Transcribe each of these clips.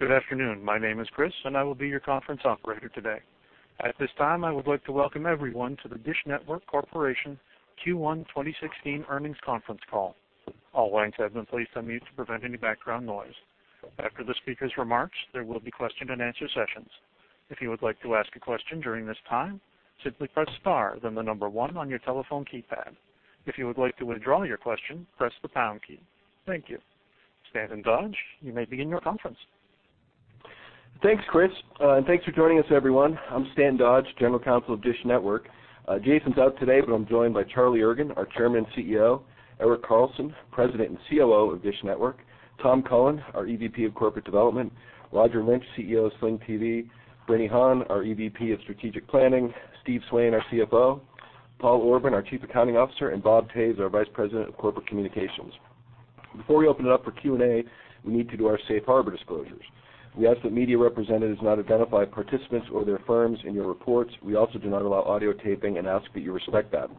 Good afternoon. My name is Chris, and I will be your conference operator today. At this time, I would like to welcome everyone to the DISH Network Corporation Q1 2016 Earnings Conference Call. All lines have been placed on mute to prevent any background noise. After the speaker's remarks, there will be question and answer sessions. If you would like to ask a question during this time, simply press star then number one on your telephone keypad. If you would like to withdraw your question, press the pound key. Thank you. Stanton Dodge, you may begin your conference. Thanks, Chris. Thanks for joining us everyone. I'm Stanton Dodge, General Counsel of DISH Network. Jason's out today, but I'm joined by Charlie Ergen, our Chairman and CEO, Erik Carlson, President and COO of DISH Network, Tom Cullen, our EVP of Corporate Development, Roger Lynch, CEO of Sling TV, Bernie Han, our EVP of Strategic Planning, Steve Swain, our CFO, Paul Orban, our Chief Accounting Officer, and Bob Toevs, our Vice President of Corporate Communications. Before we open it up for Q&A, we need to do our safe harbor disclosures. We ask that media representatives not identify participants or their firms in your reports. We also do not allow audio taping and ask that you respect that.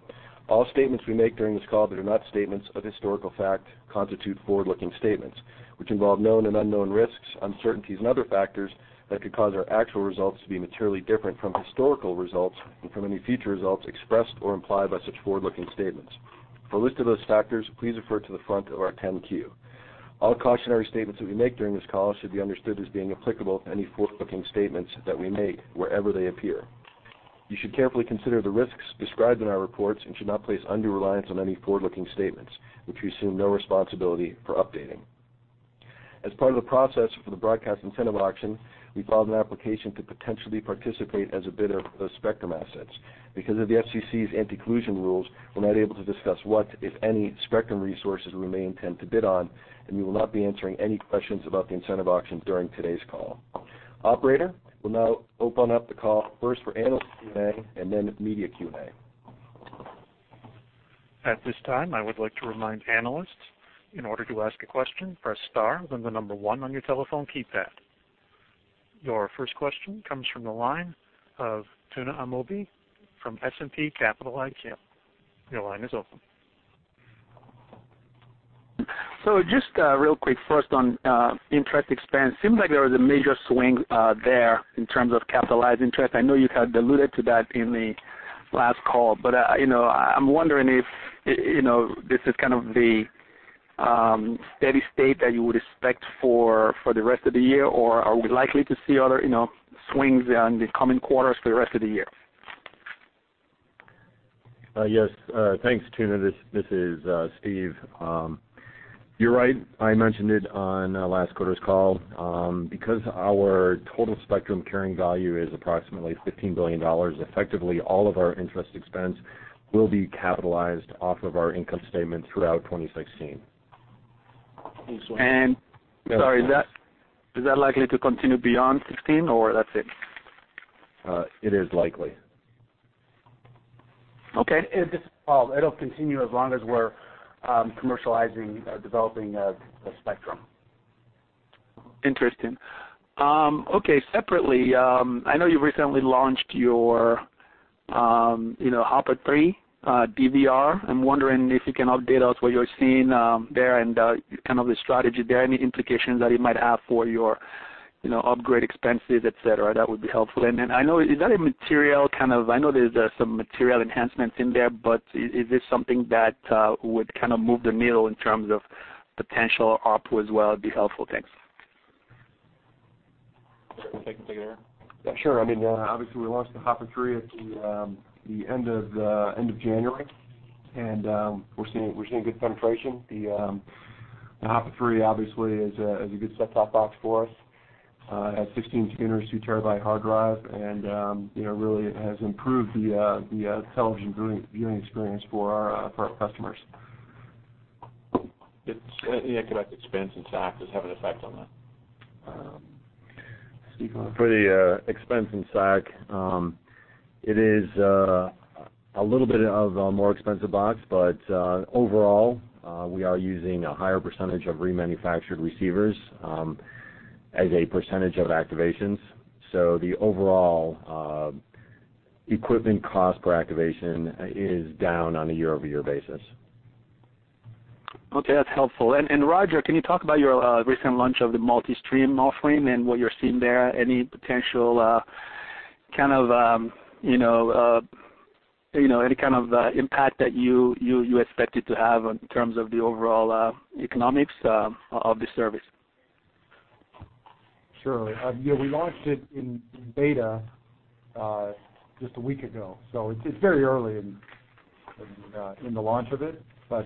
All statements we make during this call that are not statements of historical fact constitute forward-looking statements, which involve known and unknown risks, uncertainties, and other factors that could cause our actual results to be materially different from historical results and from any future results expressed or implied by such forward-looking statements. For a list of those factors, please refer to the front of our 10-Q. All cautionary statements that we make during this call should be understood as being applicable to any forward-looking statements that we make wherever they appear. You should carefully consider the risks described in our reports and should not place undue reliance on any forward-looking statements, which we assume no responsibility for updating. As part of the process for the Broadcast Incentive Auction, we filed an application to potentially participate as a bidder of spectrum assets. Because of the FCC's anti-collusion rules, we're not able to discuss what, if any, spectrum resources we may intend to bid on, and we will not be answering any questions about the Broadcast Incentive Auction during today's call. Operator, we'll now open up the call first for analyst Q&A and then media Q&A. Your first question comes from the line of Tuna Amobi from S&P Capital IQ. Your line is open. Just real quick first on interest expense. Seems like there was a major swing there in terms of capitalized interest. I know you had alluded to that in the last call, you know, I'm wondering if, you know, this is kind of the steady state that you would expect for the rest of the year or are we likely to see other, you know, swings in the coming quarters for the rest of the year? Yes. Thanks, Tuna. This is Steve. You're right. I mentioned it on last quarter's call. Because our total spectrum carrying value is approximately $15 billion, effectively all of our interest expense will be capitalized off of our income statement throughout 2016. Sorry. Yes. Is that likely to continue beyond 2016 or that's it? It is likely. Okay. It just, well, it'll continue as long as we're commercializing or developing the spectrum. Interesting. Okay. Separately, I know you recently launched your, you know, Hopper 3 DVR. I'm wondering if you can update us what you're seeing there and kind of the strategy there. Any implications that it might have for your, you know, upgrade expenses, et cetera? That would be helpful. I know, is that a material kind of I know there's some material enhancements in there, but is this something that would kind of move the needle in terms of potential ARPU as well? It'd be helpful. Thanks. Yeah, sure. I mean, obviously we launched the Hopper 3 at the end of January, and we're seeing good penetration. The Hopper 3 obviously is a good set-top box for us. It has 16 tuners, 2 terabyte hard drive and, you know, really it has improved the television viewing experience for our customers. It's Any, yeah, correct. Expense and SAC does have an effect on that. Steve. For the expense and SAC, it is a little bit of a more expensive box, but overall, we are using a higher percentage of remanufactured receivers, as a percentage of activations. The overall equipment cost per activation, is down on a year-over-year basis. Okay. That's helpful. Roger, can you talk about your recent launch of the multi-stream offering and what you're seeing there? Any potential kind of, you know, you know, any kind of impact that you expect it to have in terms of the overall economics of the service? Sure. Yeah, we launched it in beta just a week ago, so it's very early in the launch of it. The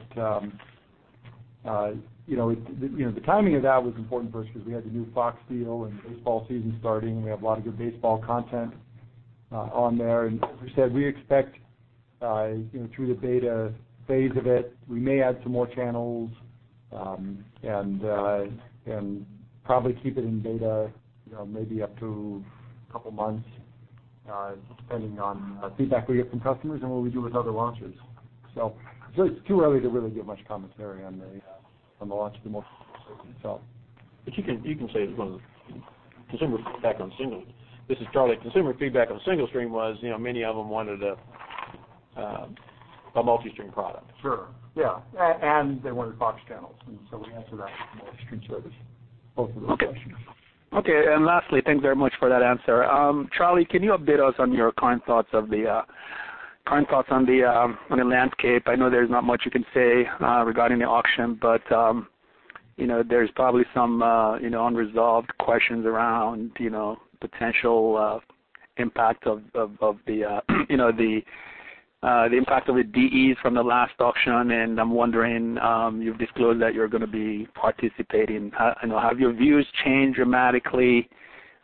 timing of that was important for us because we had the new Fox deal and baseball season starting. We have a lot of good baseball content on there. As we said, we expect through the beta phase of it, we may add some more channels and probably keep it in beta maybe up to a couple months just depending on feedback we get from customers and what we do with other launches. It's too early to really give much commentary on the launch of the multi-stream itself. You can say consumer feedback on Sling. This is Charlie. Consumer feedback on Sling TV was, you know, many of them wanted. a multi-stream product. Sure. Yeah. They wanted Fox channels, we answered that with the multi-stream service. Both of those questions. Okay. Lastly, thanks very much for that answer. Charlie, can you update us on your current thoughts on the landscape? I know there's not much you can say regarding the auction, you know, there's probably some you know, unresolved questions around you know, potential impact of the DEs from the last auction and I'm wondering, you've disclosed that you're gonna be participating. You know, have your views changed dramatically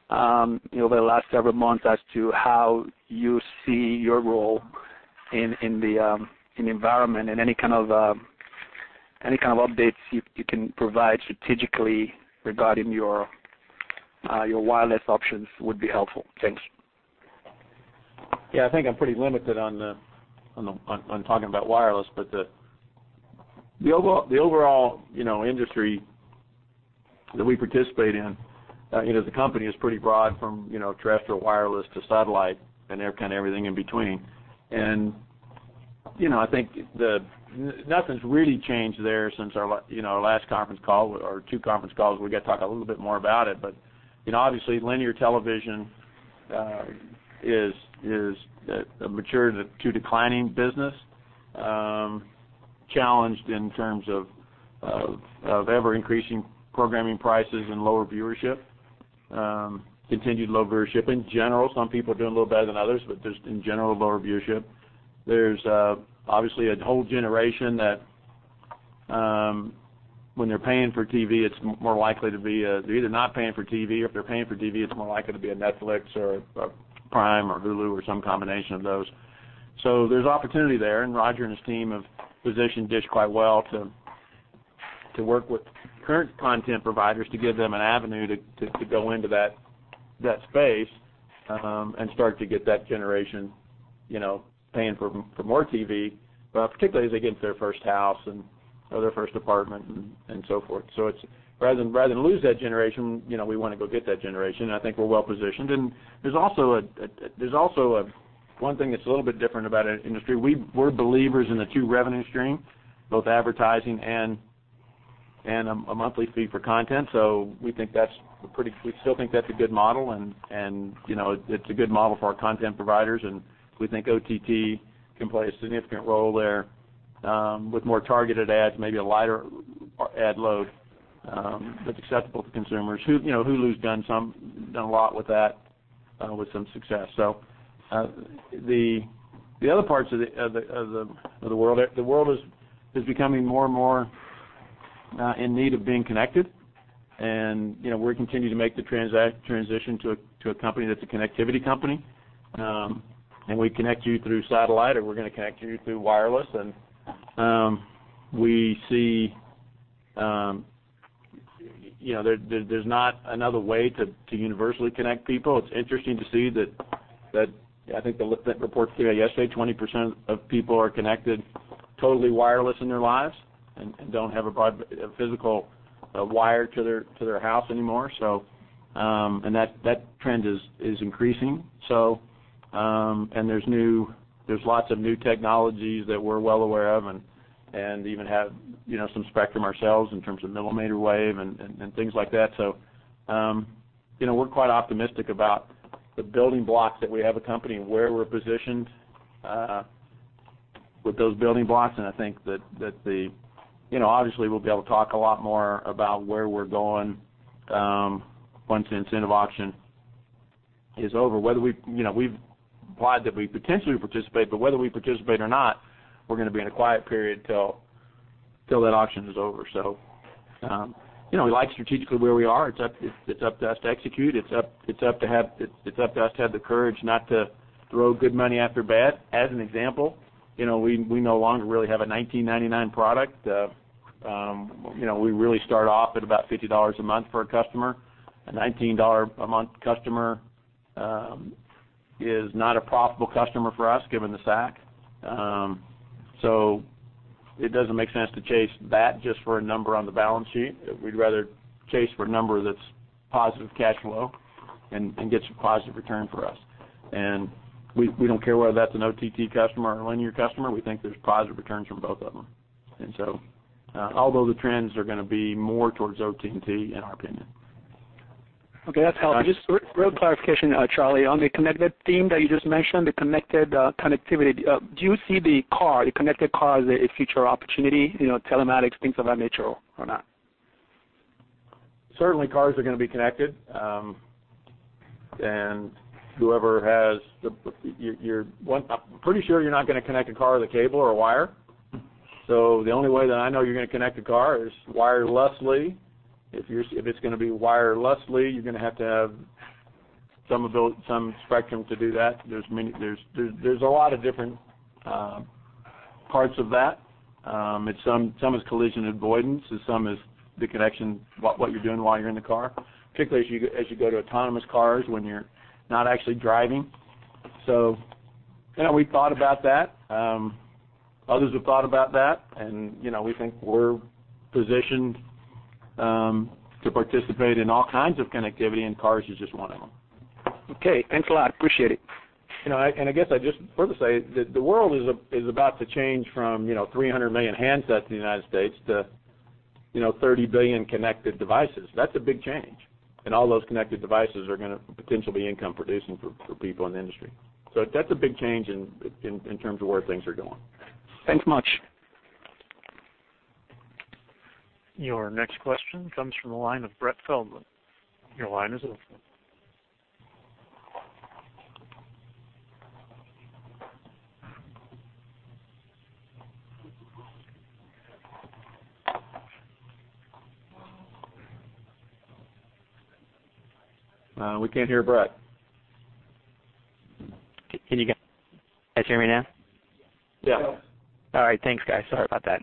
over the last several months as to how you see your role in the environment? Any kind of updates you can provide strategically regarding your wireless options would be helpful. Thanks. I think I'm pretty limited on talking about wireless, but the overall, you know, industry that we participate in, you know, the company is pretty broad from, you know, terrestrial wireless to satellite and kind of everything in between. You know, I think nothing's really changed there since our, you know, our last conference call or two conference calls. We're going to talk a little bit more about it, you know, obviously linear television is a mature to declining business, challenged in terms of ever-increasing programming prices and lower viewership. Continued low viewership in general. Some people are doing a little better than others, but just in general lower viewership. There's obviously a whole generation that when they're paying for TV, they're either not paying for TV, or if they're paying for TV, it's more likely to be a Netflix or a Prime or Hulu or some combination of those. There's opportunity there, and Roger and his team have positioned DISH quite well to work with current content providers to give them an avenue to go into that space and start to get that generation, you know, paying for more TV, but particularly as they get into their first house or their first apartment and so forth. It's rather than lose that generation, you know, we wanna go get that generation, and I think we're well positioned. There's also one thing that's a little bit different about our industry, we're believers in the two revenue stream, both advertising and a monthly fee for content. We still think that's a good model and, you know, it's a good model for our content providers, and we think OTT can play a significant role there with more targeted ads, maybe a lighter ad load that's acceptable to consumers. You know, Hulu's done a lot with that with some success. The other parts of the world is becoming more and more in need of being connected and, you know, we continue to make the transition to a company that's a connectivity company. We connect you through satellite or we're gonna connect you through wireless and, we see, you know, there's not another way to universally connect people. It's interesting to see that report came out yesterday, 20% of people are connected totally wireless in their lives and don't have a physical wire to their house anymore, and that trend is increasing. There's lots of new technologies that we're well aware of and even have, you know, some spectrum ourselves in terms of millimeter wave and things like that. You know, we're quite optimistic about the building blocks that we have accompanying where we're positioned with those building blocks and I think that the You know, obviously we'll be able to talk a lot more about where we're going once the Incentive Auction is over. Whether we You know, we've applied that we potentially participate, but whether we participate or not, we're gonna be in a quiet period till that Incentive Auction is over. You know, we like strategically where we are. It's up to us to execute. It's up to us to have the courage not to throw good money after bad. As an example, you know, we no longer really have a $19.99 product. You know, we really start off at about $50 a month for a customer. A $19 a month customer is not a profitable customer for us given the SAC. It doesn't make sense to chase that just for a number on the balance sheet. We'd rather chase for a number that's positive cash flow and gets a positive return for us. We don't care whether that's an OTT customer or a linear customer, we think there's positive returns from both of them. Although the trends are gonna be more towards OTT in our opinion. Okay, that's helpful. Yeah. Just real clarification, Charlie, on the connected theme that you just mentioned, the connected connectivity. Do you see the car, the connected car as a future opportunity? You know, telematics, things of that nature or not? Certainly cars are going to be connected. whoever has the one, I'm pretty sure you're not going to connect a car with a cable or a wire. The only way that I know you're going to connect a car is wirelessly. If it's going to be wirelessly, you're going to have to have some spectrum to do that. There's a lot of different parts of that. It's some is collision avoidance and some is the connection, what you're doing while you're in the car, particularly as you go to autonomous cars when you're not actually driving. you know, we've thought about that. others have thought about that and, you know, we think we're positioned to participate in all kinds of connectivity, and cars is just one of them. Okay, thanks a lot. Appreciate it. You know, I guess I just further say that the world is about to change from, you know, 300 million handsets in the U.S. to, you know, 30 billion connected devices. That's a big change. All those connected devices are going to potentially be income producing for people in the industry. That's a big change in terms of where things are going. Thanks much. Your next question comes from the line of Brett Feldman. Your line is open. We can't hear Brett. Can you guys hear me now? Yeah. All right, thanks, guys. Sorry about that.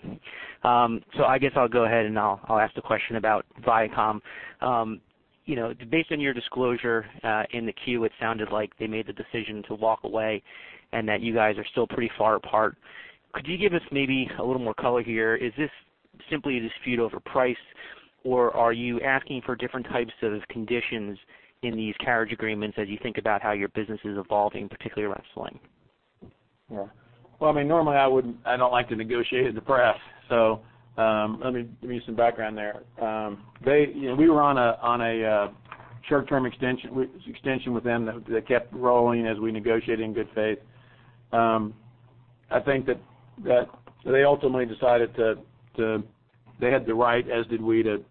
I guess I'll go ahead, and I'll ask the question about Viacom. You know, based on your disclosure in the 10-Q, it sounded like they made the decision to walk away and that you guys are still pretty far apart. Could you give us maybe a little more color here? Is this simply a dispute over price, or are you asking for different types of conditions in these carriage agreements as you think about how your business is evolving, particularly around Sling? Well, I mean, normally I don't like to negotiate in the press, so let me give you some background there. They You know, we were on a short-term extension with them that kept rolling as we negotiate in good faith. I think that they ultimately decided they had the right, as did we, to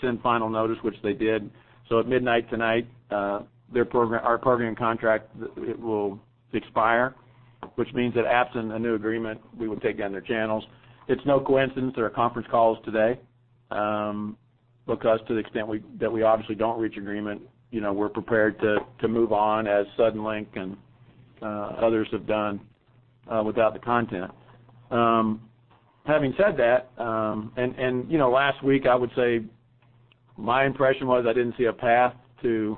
send final notice, which they did. At midnight tonight, our programming contract will expire, which means that absent a new agreement, we would take down their channels. It's no coincidence there are conference calls today, because to the extent we obviously don't reach agreement, you know, we're prepared to move on as Suddenlink and others have done without the content. Having said that, you know, last week, I would say my impression was I didn't see a path to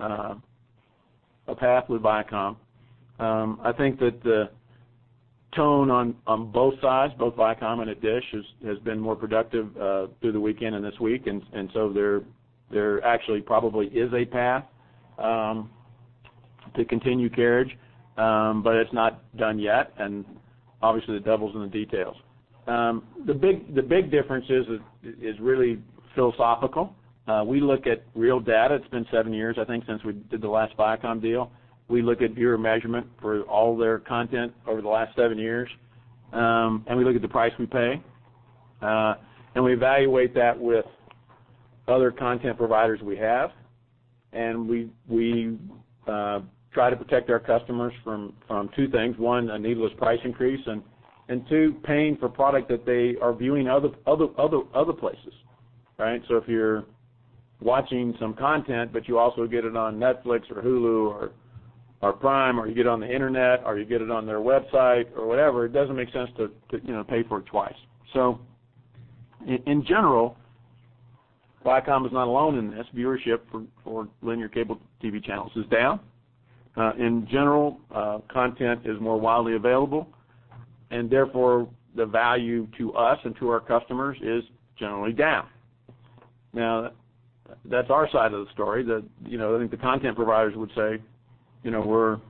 a path with Viacom. I think that the tone on both sides, both Viacom and at DISH, has been more productive through the weekend and this week. There actually probably is a path to continue carriage, but it's not done yet, and obviously the devil's in the details. The big difference is really philosophical. We look at real data. It's been seven years, I think, since we did the last Viacom deal. We look at viewer measurement for all their content over the last seven years, and we look at the price we pay, and we evaluate that with other content providers we have, and we try to protect our customers from two things: one, a needless price increase, and two, paying for product that they are viewing other places, right? If you're watching some content, but you also get it on Netflix or Hulu or Prime or you get it on the internet or you get it on their website or whatever, it doesn't make sense to, you know, pay for it twice. In general, Viacom is not alone in this. Viewership for linear cable TV channels is down. In general, content is more widely available, and therefore, the value to us and to our customers is generally down. That's our side of the story that You know, I think the content providers would say, you know, "We're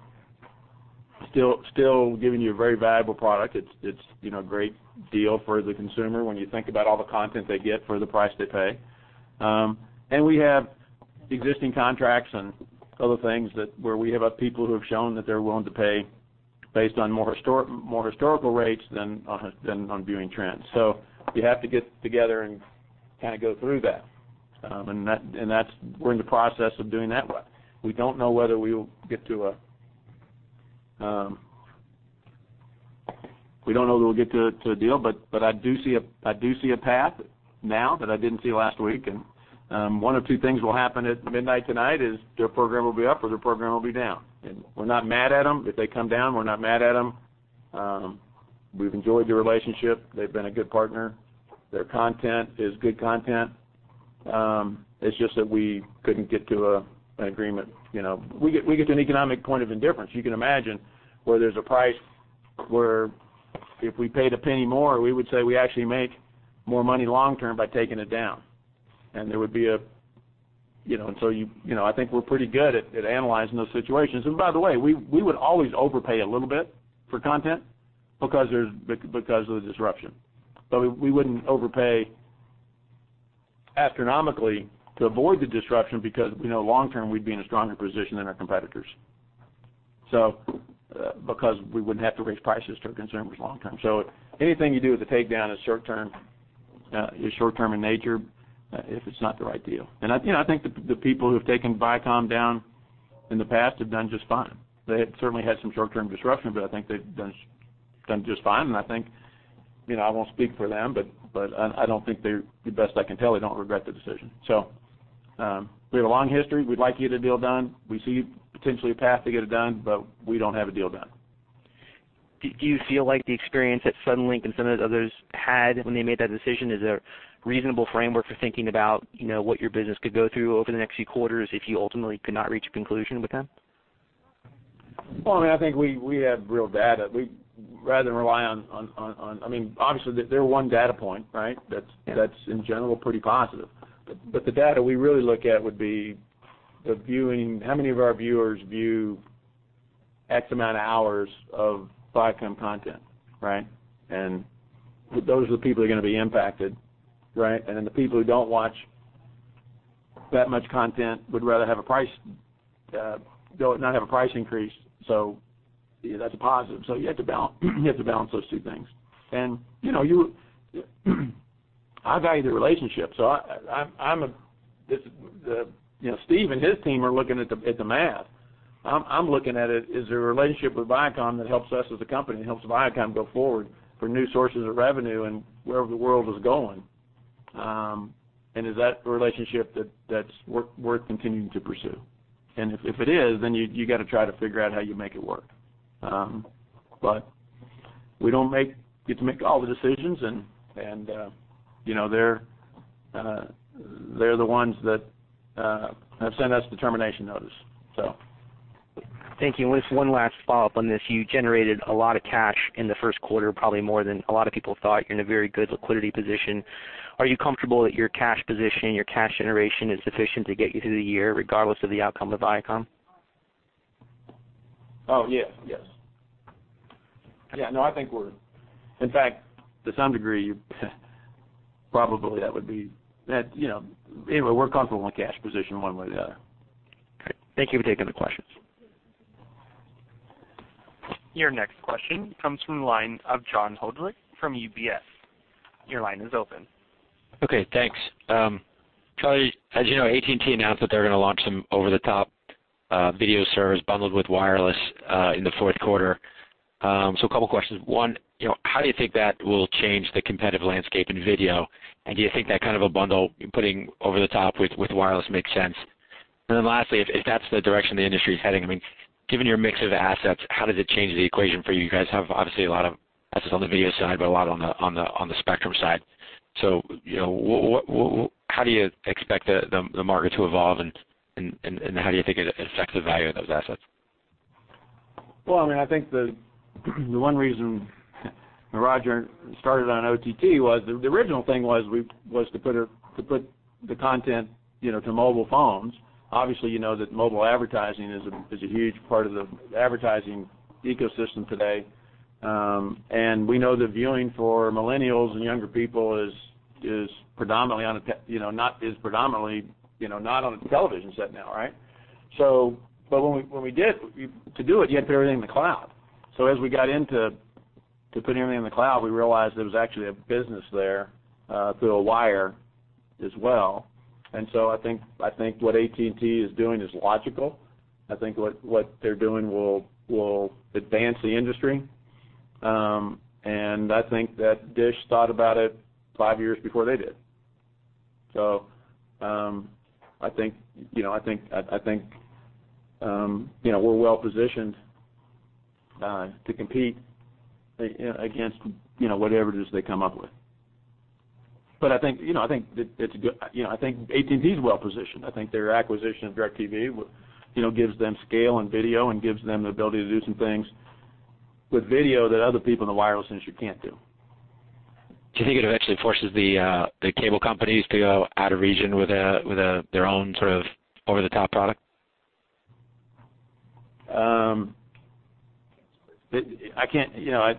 still giving you a very valuable product. It's, you know, a great deal for the consumer when you think about all the content they get for the price they pay." We have existing contracts and other things that, where we have people who have shown that they're willing to pay based on more historical rates than on viewing trends. You have to get together and kind of go through that. We're in the process of doing that, but we don't know if we'll get to a deal. But I do see a path now that I didn't see last week. One of two things will happen at midnight tonight, is their program will be up or their program will be down. We're not mad at them. If they come down, we're not mad at them. We've enjoyed the relationship. They've been a good partner. Their content is good content. It's just that we couldn't get to an agreement. You know, we get to an economic point of indifference. You can imagine where there's a price where if we paid $0.01 more, we would say we actually make more money long term by taking it down. There would be a, you know. You know, I think we're pretty good at analyzing those situations. We would always overpay a little bit for content because of the disruption. We wouldn't overpay astronomically to avoid the disruption because we know long term we'd be in a stronger position than our competitors, so because we wouldn't have to raise prices to our consumers long term. Anything you do with the takedown is short term, is short term in nature if it's not the right deal. I, you know, I think the people who have taken Viacom down in the past have done just fine. They had certainly had some short-term disruption, but I think they've done just fine. I think You know, I won't speak for them, but I don't think the best I can tell, they don't regret the decision. We have a long history. We'd like to get a deal done. We see potentially a path to get it done, but we don't have a deal done. Do you feel like the experience that Suddenlink and some of the others had when they made that decision is a reasonable framework for thinking about, you know, what your business could go through over the next few quarters if you ultimately could not reach a conclusion with them? Well, I mean, I think we have real data. We rather than rely on, I mean, obviously they're 1 data point, right? Yeah That's in general, pretty positive. the data we really look at would be the viewing, how many of our viewers view X amount of hours of Viacom content, right? those are the people who are gonna be impacted, right? the people who don't watch that much content would rather have a price not have a price increase, so that's a positive. you have to balance those two things. you know, you, I value the relationship, so this is the You know, Steve and his team are looking at the, at the math. I'm looking at it, is there a relationship with Viacom that helps us as a company and helps Viacom go forward for new sources of revenue and wherever the world is going? Is that the relationship that's worth continuing to pursue? If it is, you gotta try to figure out how you make it work. We don't get to make all the decisions and, you know, they're the ones that have sent us the termination notice. Thank you. Just one last follow-up on this. You generated a lot of cash in the first quarter, probably more than a lot of people thought. You're in a very good liquidity position. Are you comfortable that your cash position, your cash generation is sufficient to get you through the year regardless of the outcome of Viacom? Oh, yeah. Yes. Yeah, no. I think we're, in fact, to some degree, probably that would be that, you know. Anyway, we're comfortable with cash position one way or the other. Great. Thank you for taking the questions. Your next question comes from the line of John Hodulik from UBS. Your line is open. Okay, thanks. Charlie, as you know, AT&T announced that they're gonna launch some over-the-top video service bundled with wireless in the fourth quarter. A couple questions. One, you know, how do you think that will change the competitive landscape in video, and do you think that kind of a bundle putting over the top with wireless makes sense? Lastly, if that's the direction the industry is heading, I mean, given your mix of the assets, how does it change the equation for you guys have obviously a lot of assets on the video side, but a lot on the spectrum side. You know, how do you expect the market to evolve and how do you think it affects the value of those assets? Well, I mean, I think the one reason Roger started on OTT was the original thing was to put the content, you know, to mobile phones. Obviously, you know, that mobile advertising is a huge part of the advertising ecosystem today. We know the viewing for millennials and younger people is predominantly, you know, not on a television set now, right? When we to do it, you have to put everything in the cloud. As we got into putting everything in the cloud, we realized there was actually a business there through a wire as well. I think what AT&T is doing is logical. I think what they're doing will advance the industry. I think that DISH Network thought about it 5 years before they did. I think, you know, I think, you know, we're well-positioned to compete against, you know, whatever it is they come up with. I think, you know, I think AT&T is well-positioned. I think their acquisition of DirecTV, you know, gives them scale and video and gives them the ability to do some things with video that other people in the wireless industry can't do. Do you think it eventually forces the cable companies to go out of region with a their own sort of over-the-top product? I can't, you know,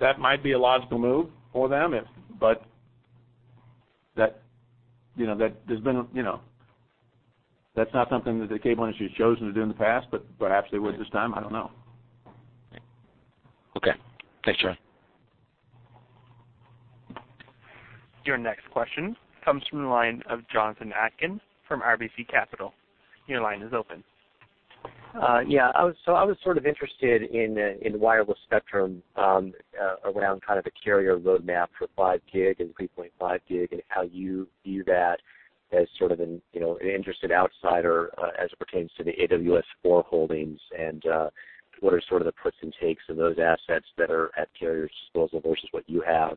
that might be a logical move for them. That, you know, that there's been, you know, that's not something that the cable industry has chosen to do in the past, but perhaps they would this time, I don't know. Okay. Thanks, Charlie. Your next question comes from the line of Jonathan Atkin from RBC Capital. Your line is open. Yeah. I was sort of interested in wireless spectrum around kind of the carrier roadmap for 5G and 3.5 GHz, how you view that as sort of an, you know, an interested outsider as it pertains to the AWS 4 holdings and what are sort of the puts and takes of those assets that are at carrier's disposal versus what you have.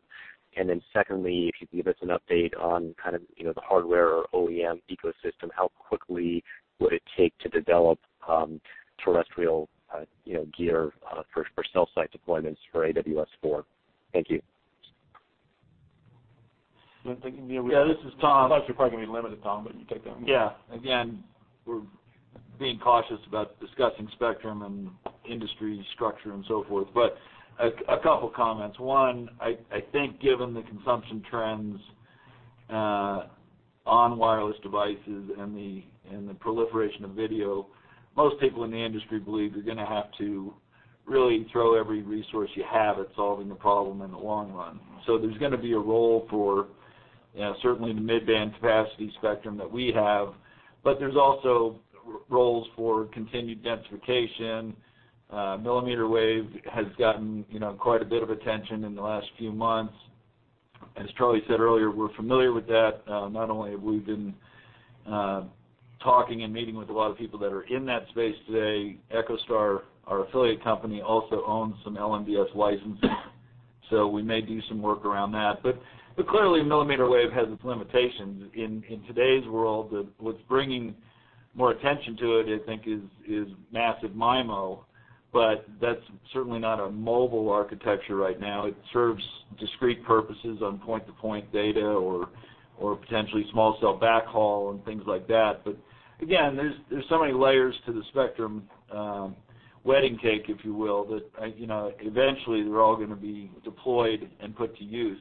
Secondly, if you could give us an update on kind of, you know, the hardware or OEM ecosystem, how quickly would it take to develop terrestrial, you know, gear for cell site deployments for AWS 4? Thank you. I think, you know. Yeah, this is Tom. I thought you're probably gonna be limited, Tom, but you take that one. Yeah. Again, we're being cautious about discussing spectrum and industry structure and so forth. A couple comments. One, I think given the consumption trends on wireless devices and the proliferation of video, most people in the industry believe you're gonna have to really throw every resource you have at solving the problem in the long run. There's gonna be a role for, you know, certainly in the mid-band capacity spectrum that we have, but there's also roles for continued densification. Millimeter wave has gotten, you know, quite a bit of attention in the last few months. As Charlie said earlier, we're familiar with that. Not only have we been talking and meeting with a lot of people that are in that space today, EchoStar, our affiliate company, also owns some LMDS licenses. We may do some work around that. Clearly, millimeter wave has its limitations. In today's world, what's bringing more attention to it, I think is massive MIMO, that's certainly not a mobile architecture right now. It serves discrete purposes on point-to-point data or potentially small cell backhaul and things like that. Again, there's so many layers to the spectrum, wedding cake, if you will, that, you know, eventually they're all gonna be deployed and put to use.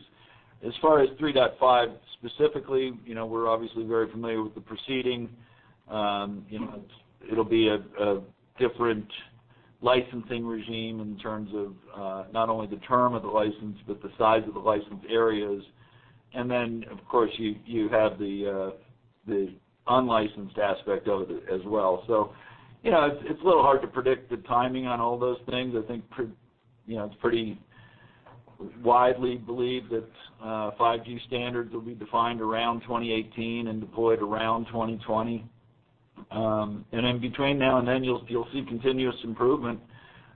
As far as 3.5 specifically, you know, we're obviously very familiar with the proceeding. You know, it'll be a different licensing regime in terms of not only the term of the license, but the size of the license areas. Of course, you have the unlicensed aspect of it as well. You know, it's a little hard to predict the timing on all those things. I think you know, it's pretty widely believed that 5G standards will be defined around 2018 and deployed around 2020. In between now and then you'll see continuous improvement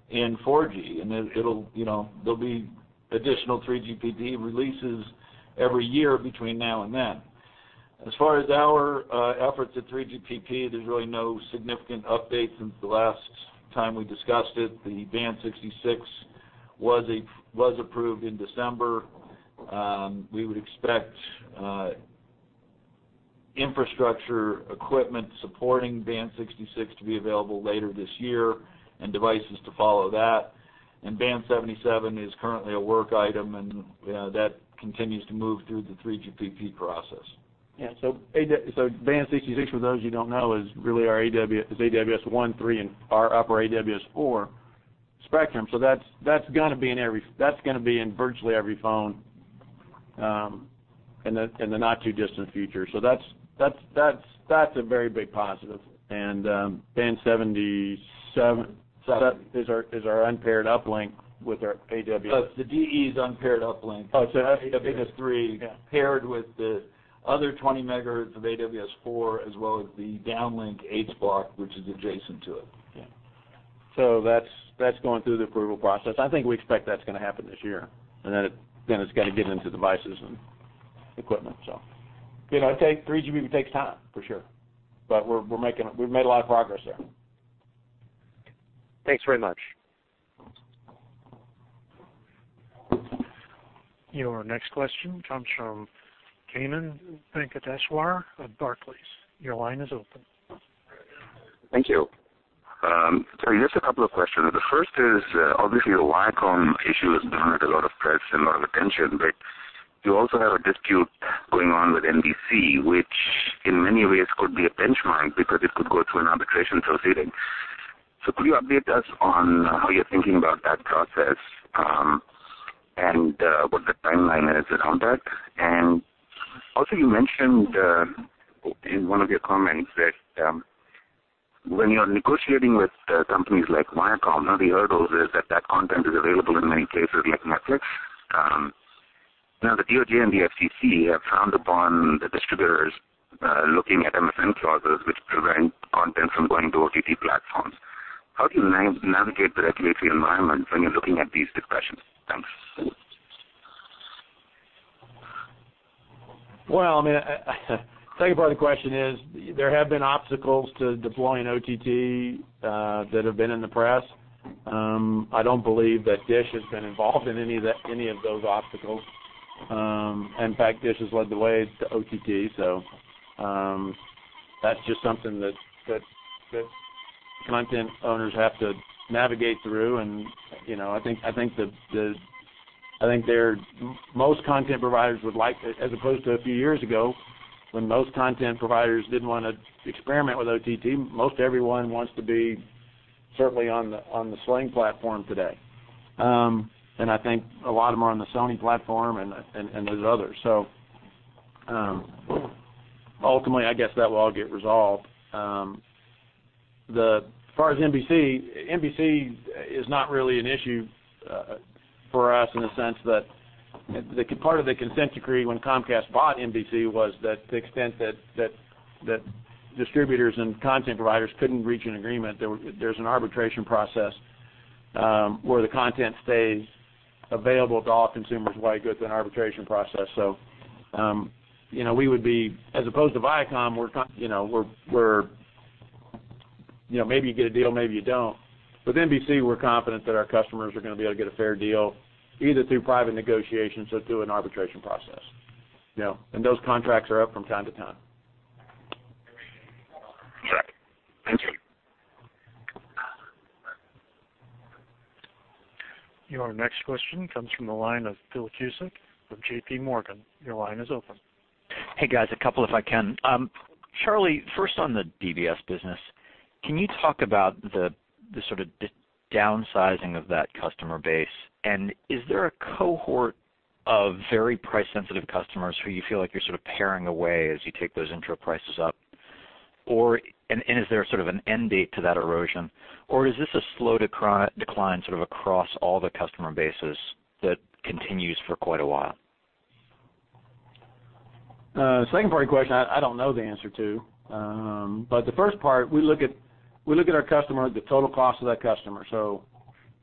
in 4G, and it'll You know, there'll be additional 3GPP releases every year between now and then. As far as our efforts at 3GPP, there's really no significant update since the last time we discussed it. The Band 66 was approved in December. We would expect infrastructure equipment supporting Band 66 to be available later this year and devices to follow that. Band 77 is currently a work item, you know, that continues to move through the 3GPP process. Band 66, for those of you don't know, is really our AWS-1, 3 and our upper AWS-4 spectrum. That's gonna be in virtually every phone in the not too distant future. That's a very big positive. Band 77. Seven is our unpaired uplink with our AWS-. The DE is unpaired uplink. Oh, so that's- AWS-3 Yeah Paired with the other 20 megahertz of AWS-4 as well as the downlink H Block, which is adjacent to it. Yeah. That's going through the approval process. I think we expect that's gonna happen this year, and then it's gonna get into devices and equipment. You know, 3GPP takes time, for sure, but we've made a lot of progress there. Thanks very much. Your next question comes from Kannan Venkateshwar of Barclays. Your line is open. Thank you. Just a couple of questions. The first is, obviously the Viacom issue has been under a lot of press and a lot of attention, but you also have a dispute going on with NBC, which in many ways could be a benchmark because it could go through an arbitration proceeding. Could you update us on how you're thinking about that process, and what the timeline is around that? Also, you mentioned in one of your comments that when you're negotiating with companies like Viacom, one of the hurdles is that that content is available in many places like Netflix. Now the DOJ and the FCC have frowned upon the distributors looking at MFN clauses which prevent content from going to OTT platforms. How do you navigate the regulatory environment when you're looking at these discussions? Thanks. Well, I mean, second part of the question is there have been obstacles to deploying OTT that have been in the press. I don't believe that DISH has been involved in any of those obstacles. In fact, DISH has led the way to OTT, that's just something that content owners have to navigate through. You know, I think most content providers would like, as opposed to a few years ago when most content providers didn't wanna experiment with OTT, most everyone wants to be certainly on the Sling platform today. I think a lot of them are on the Sony platform and those others. Ultimately, I guess that will all get resolved. As far as NBC is not really an issue for us in the sense that part of the consent decree when Comcast bought NBC was that to the extent that distributors and content providers couldn't reach an agreement, there's an arbitration process where the content stays available to all consumers while it goes through an arbitration process. You know, we would be As opposed to Viacom, we're confident, you know, we're You know, maybe you get a deal, maybe you don't. With NBC, we're confident that our customers are gonna be able to get a fair deal either through private negotiations or through an arbitration process. You know, those contracts are up from time to time. Right. Thank you. Your next question comes from the line of Phil Cusick from JP Morgan. Your line is open. Hey, guys, a couple if I can. Charlie, first on the DBS business, can you talk about the sort of downsizing of that customer base? Is there a cohort of very price-sensitive customers who you feel like you're sort of paring away as you take those intro prices up? Is there sort of an end date to that erosion? Is this a slow decline sort of across all the customer bases that continues for quite a while? The second part of your question, I don't know the answer to. The first part, we look at our customer, the total cost of that customer.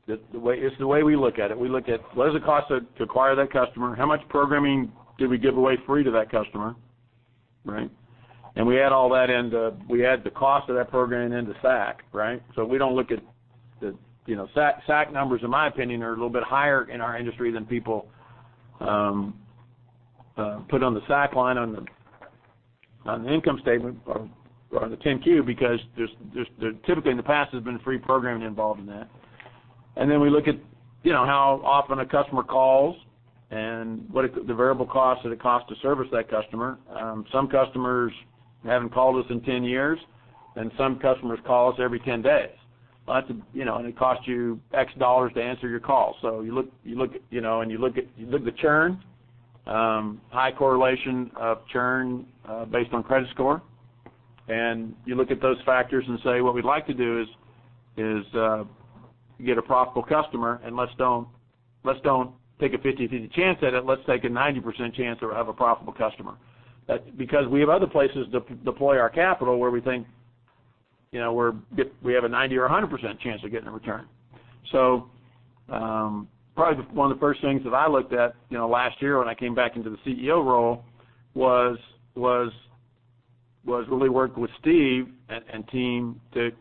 It's the way we look at it. We look at what does it cost to acquire that customer? How much programming did we give away free to that customer, right? We add the cost of that programming into SAC, right? We don't look at the You know, SAC numbers, in my opinion, are a little bit higher in our industry than people put on the SAC line on the income statement or the 10-Q because there typically in the past has been free programming involved in that. We look at, you know, how often a customer calls and what the variable cost or the cost to service that customer. Some customers haven't called us in 10 years, and some customers call us every 10 days. Well, that's a, you know, and it costs you X dollars to answer your call. You look, you know, and you look at the churn, high correlation of churn based on credit score. You look at those factors and say, "What we'd like to do is get a profitable customer, and let's don't take a 50/50 chance at it. Let's take a 90% chance of a profitable customer. We have other places to deploy our capital where we think, you know, we have a 90% or 100% chance of getting a return. Probably one of the first things that I looked at, you know, last year when I came back into the CEO role was really working with Steve and team to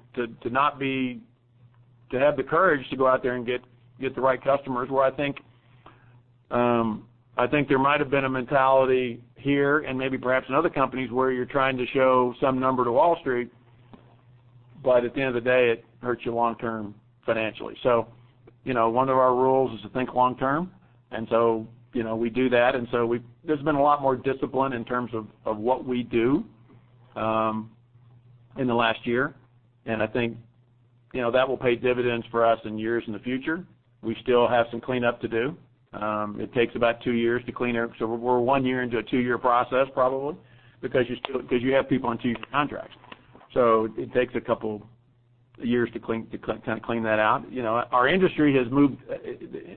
have the courage to go out there and get the right customers, where I think, I think there might've been a mentality here and maybe perhaps in other companies where you're trying to show some number to Wall Street, but at the end of the day, it hurts you long term financially. You know, one of our rules is to think long term, you know, we do that. There's been a lot more discipline in terms of what we do in the last year, and I think, you know, that will pay dividends for us in years in the future. We still have some cleanup to do. It takes about two years to clean. We're one year into a two year process probably because you still because you have people on two year contracts. It takes a couple years to kind of clean that out. You know, our industry.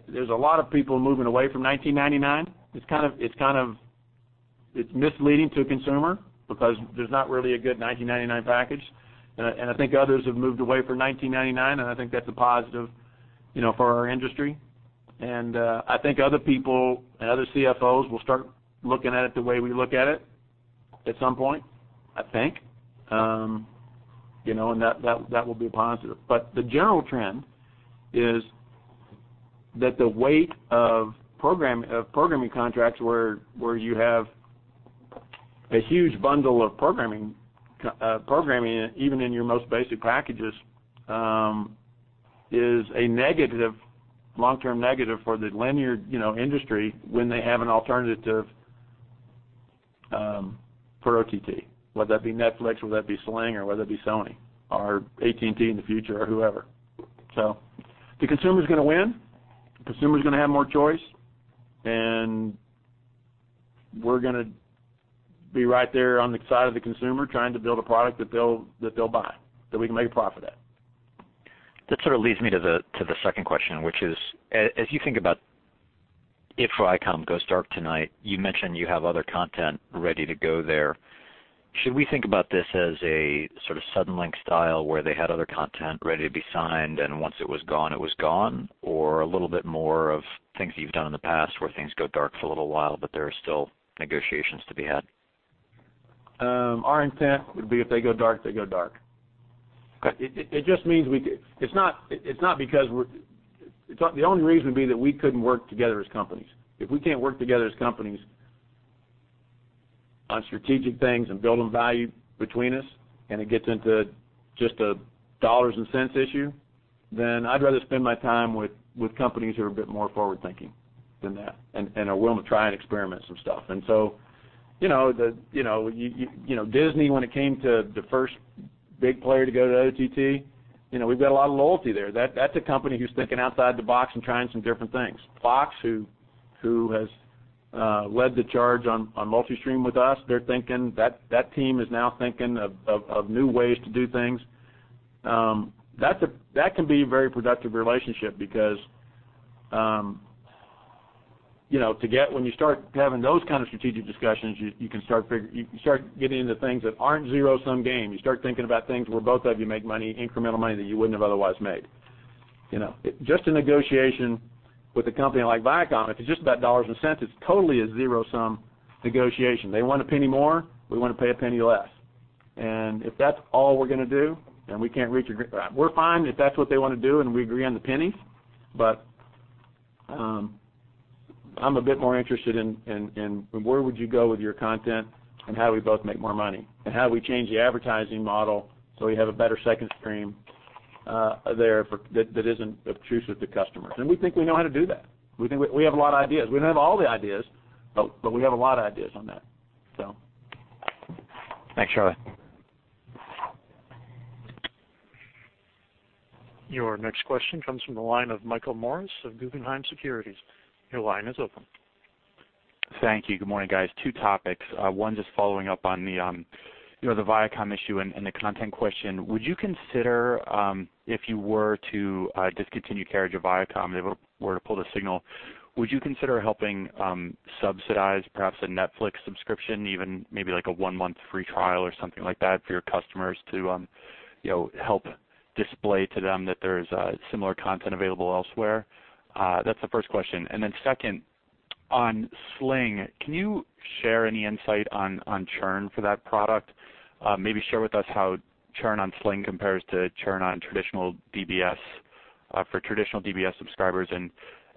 There's a lot of people moving away from 1999. It's kind of misleading to a consumer because there's not really a good 1999 package. I think others have moved away from 1999, and I think that's a positive, you know, for our industry. I think other people and other CFOs will start looking at it the way we look at it at some point, I think. You know, that will be a positive. The general trend is that the weight of programming contracts where you have a huge bundle of programming even in your most basic packages, is a negative, long-term negative for the linear, you know, industry when they have an alternative for OTT, whether that be Netflix, whether that be Sling, or whether it be Sony or AT&T in the future or whoever. The consumer's gonna win. The consumer's gonna have more choice, and we're gonna be right there on the side of the consumer trying to build a product that they'll buy, that we can make a profit at. That sort of leads me to the second question, which is, as you think about if Viacom goes dark tonight, you mentioned you have other content ready to go there. Should we think about this as a sort of Suddenlink style where they had other content ready to be signed, and once it was gone, it was gone? Or a little bit more of things that you've done in the past where things go dark for a little while, but there are still negotiations to be had? Our intent would be if they go dark, they go dark. Okay. The only reason would be that we couldn't work together as companies. If we can't work together as companies on strategic things and building value between us, and it gets into just a dollars and cents issue, then I'd rather spend my time with companies who are a bit more forward-thinking than that and are willing to try and experiment some stuff. You know, Disney, when it came to the first big player to go to OTT, you know, we've got a lot of loyalty there. That's a company who's thinking outside the box and trying some different things. Fox, who has led the charge on multi-stream with us, that team is now thinking of new ways to do things. That can be a very productive relationship because, you know, when you start having those kind of strategic discussions, you can start getting into things that aren't zero-sum game. You start thinking about things where both of you make money, incremental money that you wouldn't have otherwise made, you know? Just a negotiation with a company like Viacom, if it's just about dollars and cents, it's totally a zero-sum negotiation. They want a penny more, we want to pay a penny less. If that's all we're gonna do, we're fine if that's what they want to do, and we agree on the penny. I'm a bit more interested in where would you go with your content and how do we both make more money? How do we change the advertising model so we have a better second stream that isn't obtrusive to customers? We think we know how to do that. We think we have a lot of ideas. We don't have all the ideas, but we have a lot of ideas on that, so. Thanks, Charlie. Your next question comes from the line of Michael Morris of Guggenheim Securities. Your line is open. Thank you. Good morning, guys. Two topics. One just following up on the, you know, the Viacom issue and the content question, would you consider, if you were to discontinue carriage of Viacom, they were to pull the signal, would you consider helping subsidize perhaps a Netflix subscription, even maybe like a 1-month free trial or something like that for your customers to, you know, help display to them that there's similar content available elsewhere? That's the first question. Second, on Sling, can you share any insight on churn for that product? Maybe share with us how churn on Sling compares to churn on traditional DBS, for traditional DBS subscribers,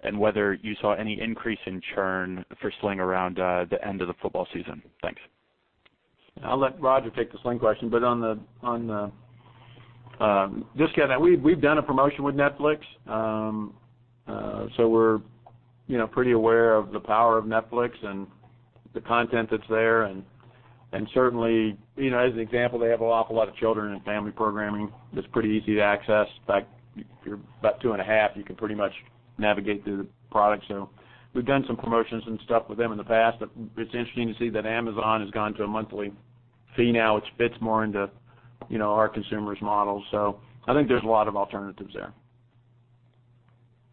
and whether you saw any increase in churn for Sling around the end of the football season. Thanks. I'll let Roger take the Sling question. On the, we've done a promotion with Netflix. We're, you know, pretty aware of the power of Netflix and the content that's there. Certainly, you know, as an example, they have an awful lot of children and family programming that's pretty easy to access. In fact, if you're about 2.5, you can pretty much navigate through the product. We've done some promotions and stuff with them in the past. It's interesting to see that Amazon has gone to a monthly fee now, which fits more into, you know, our consumers' models. I think there's a lot of alternatives there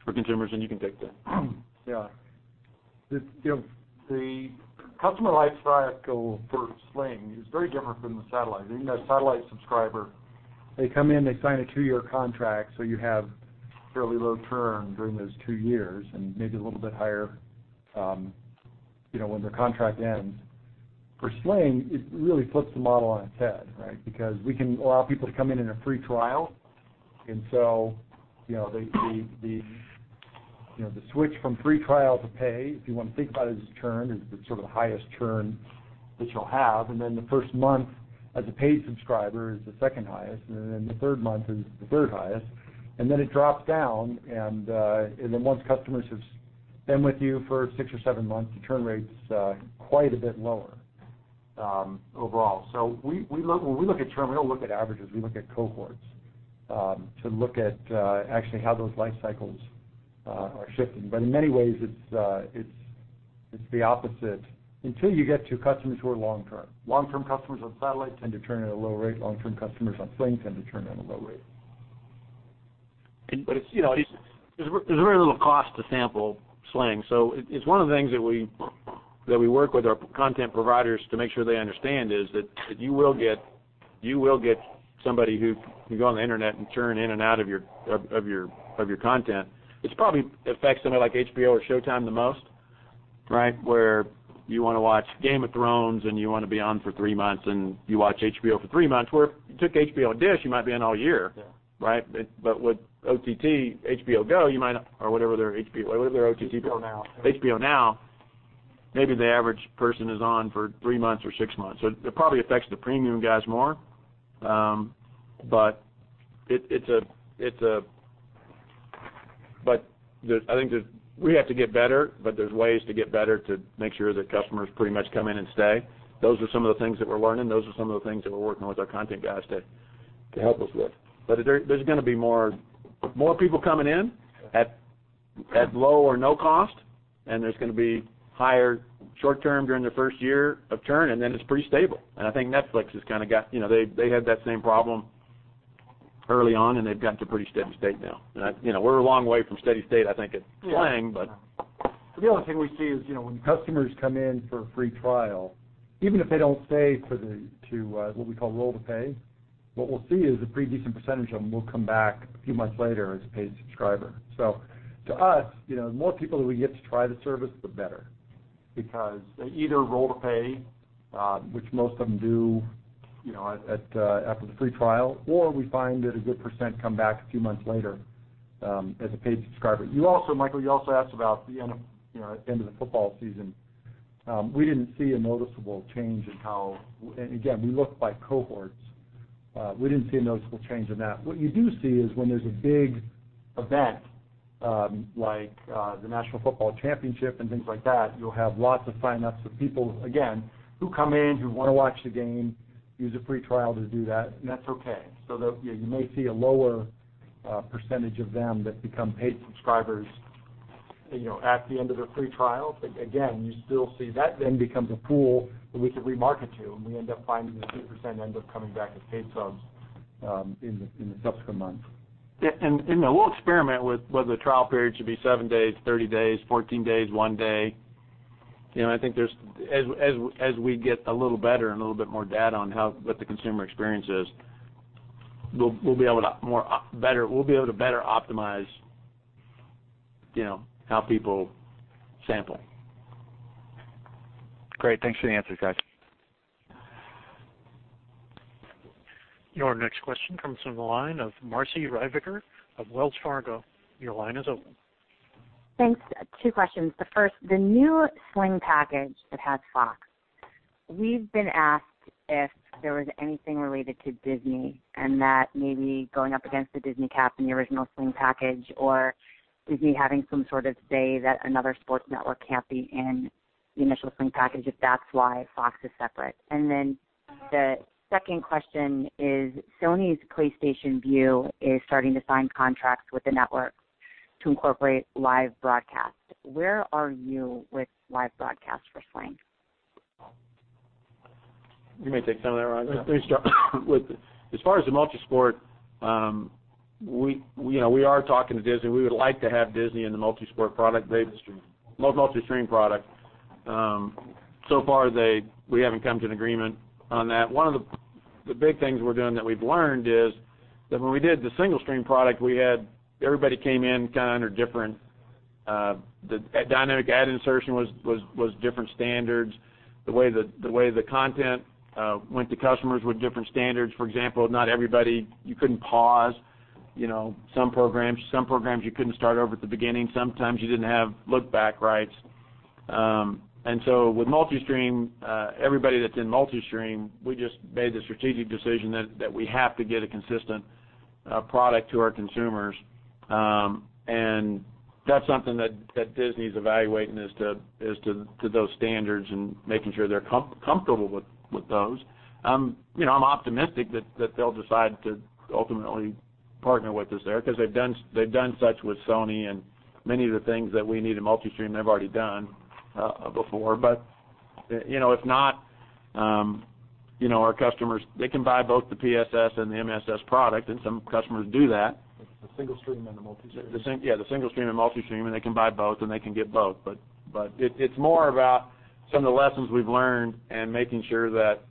for consumers, and you can take that. The, you know, the customer life cycle for Sling is very different from the satellite. You know, satellite subscriber, they come in, they sign a two year contract, so you have fairly low churn during those two years and maybe a little bit higher, you know, when their contract ends. For Sling, it really flips the model on its head, right? Because we can allow people to come in in a free trial. You know, the, you know, the switch from free trial to pay, if you wanna think about it as churn, is the sort of the highest churn that you'll have. The 1st month as a paid subscriber is the 2nd highest, and then the 3rd month is the 3rd highest. It drops down, and once customers have been with you for six or seven months, the churn rate's quite a bit lower overall. We look When we look at churn, we don't look at averages, we look at cohorts to look at actually how those life cycles are shifting. In many ways it's the opposite until you get to customers who are long-term. Long-term customers on satellite tend to churn at a low rate. Long-term customers on Sling tend to churn at a low rate. you know, there's very little cost to sample Sling. It's one of the things that we work with our content providers to make sure they understand is that you will get somebody who can go on the internet and churn in and out of your content. It's probably affects somebody like HBO or Showtime the most, right? You wanna watch Game of Thrones and you wanna be on for three months, and you watch HBO for three months. If you took HBO on DISH, you might be on all year. Yeah. Right? With OTT, HBO Go, you might not. HBO Now. HBO Now, maybe the average person is on for three months or six months. It probably affects the premium guys more. I think we have to get better, but there's ways to get better to make sure that customers pretty much come in and stay. Those are some of the things that we're learning. Those are some of the things that we're working with our content guys to help us with. There's gonna be more people coming in at low or no cost, and there's gonna be higher short-term during the first year of churn, and then it's pretty stable. I think Netflix has kinda got You know, they had that same problem early on, and they've gotten to pretty steady state now. You know, we're a long way from steady state, I think, at Sling. The other thing we see is, you know, when customers come in for a free trial, even if they don't stay for what we call roll to pay, what we'll see is a pretty decent percentage of them will come back a few months later as a paid subscriber. To us, you know, the more people that we get to try the service, the better because they either roll to pay, which most of them do, you know, after the free trial, or we find that a good percent come back a few months later as a paid subscriber. You also, Michael, you also asked about the end of, you know, end of the football season. We didn't see a noticeable change in how again, we looked by cohorts. We didn't see a noticeable change in that. What you do see is when there's a big event, like the National Football Championship and things like that, you'll have lots of signups of people, again, who come in, who wanna watch the game, use a free trial to do that, and that's okay. You know, you may see a lower percentage of them that become paid subscribers, you know, at the end of their free trial. Again, you still see that then becomes a pool that we can remarket to, and we end up finding a good percent end up coming back as paid subs in the subsequent months. Yeah, we'll experiment with whether the trial period should be seven days, 30 days, 14 days, one day. You know, I think there's As we get a little better and a little bit more data on how, what the consumer experience is, we'll be able to better optimize, you know, how people sample. Great. Thanks for the answers, guys. Your next question comes from the line of Marci Ryvicker of Wells Fargo. Your line is open. Thanks. Two questions. The first, the new Sling package that has Fox, we've been asked if there was anything related to Disney, and that maybe going up against the Disney cap in the original Sling package, or Disney having some sort of say that another sports network can't be in the initial Sling package, if that's why Fox is separate. The second question is Sony's PlayStation Vue is starting to sign contracts with the networks to incorporate live broadcast. Where are you with live broadcast for Sling? You may take some of that, Roger. Yeah. Let me start with, as far as the multisport, you know, we are talking to Disney. We would like to have Disney in the multisport product. Multistream. Multistream product. So far, we haven't come to an agreement on that. One of the big things we're doing that we've learned is that when we did the singlestream product, we had everybody came in kind under different, the dynamic ad insertion was different standards. The way the content went to customers with different standards. For example, not everybody You couldn't pause, you know, some programs. Some programs you couldn't start over at the beginning. Sometimes you didn't have look-back rights. With Multistream, everybody that's in Multistream, we just made the strategic decision that we have to get a consistent product to our consumers. That's something that Disney's evaluating as to those standards and making sure they're comfortable with those. you know, I'm optimistic that they'll decide to ultimately partner with us there, 'cause they've done such with Sony and many of the things that we need in Multistream they've already done before. you know, if not, you know, our customers, they can buy both the PSS and the MSS product, and some customers do that. The single stream and the multi-stream. Yeah, the single stream and multi-stream. They can buy both, and they can get both. It's more about some of the lessons we've learned and making sure that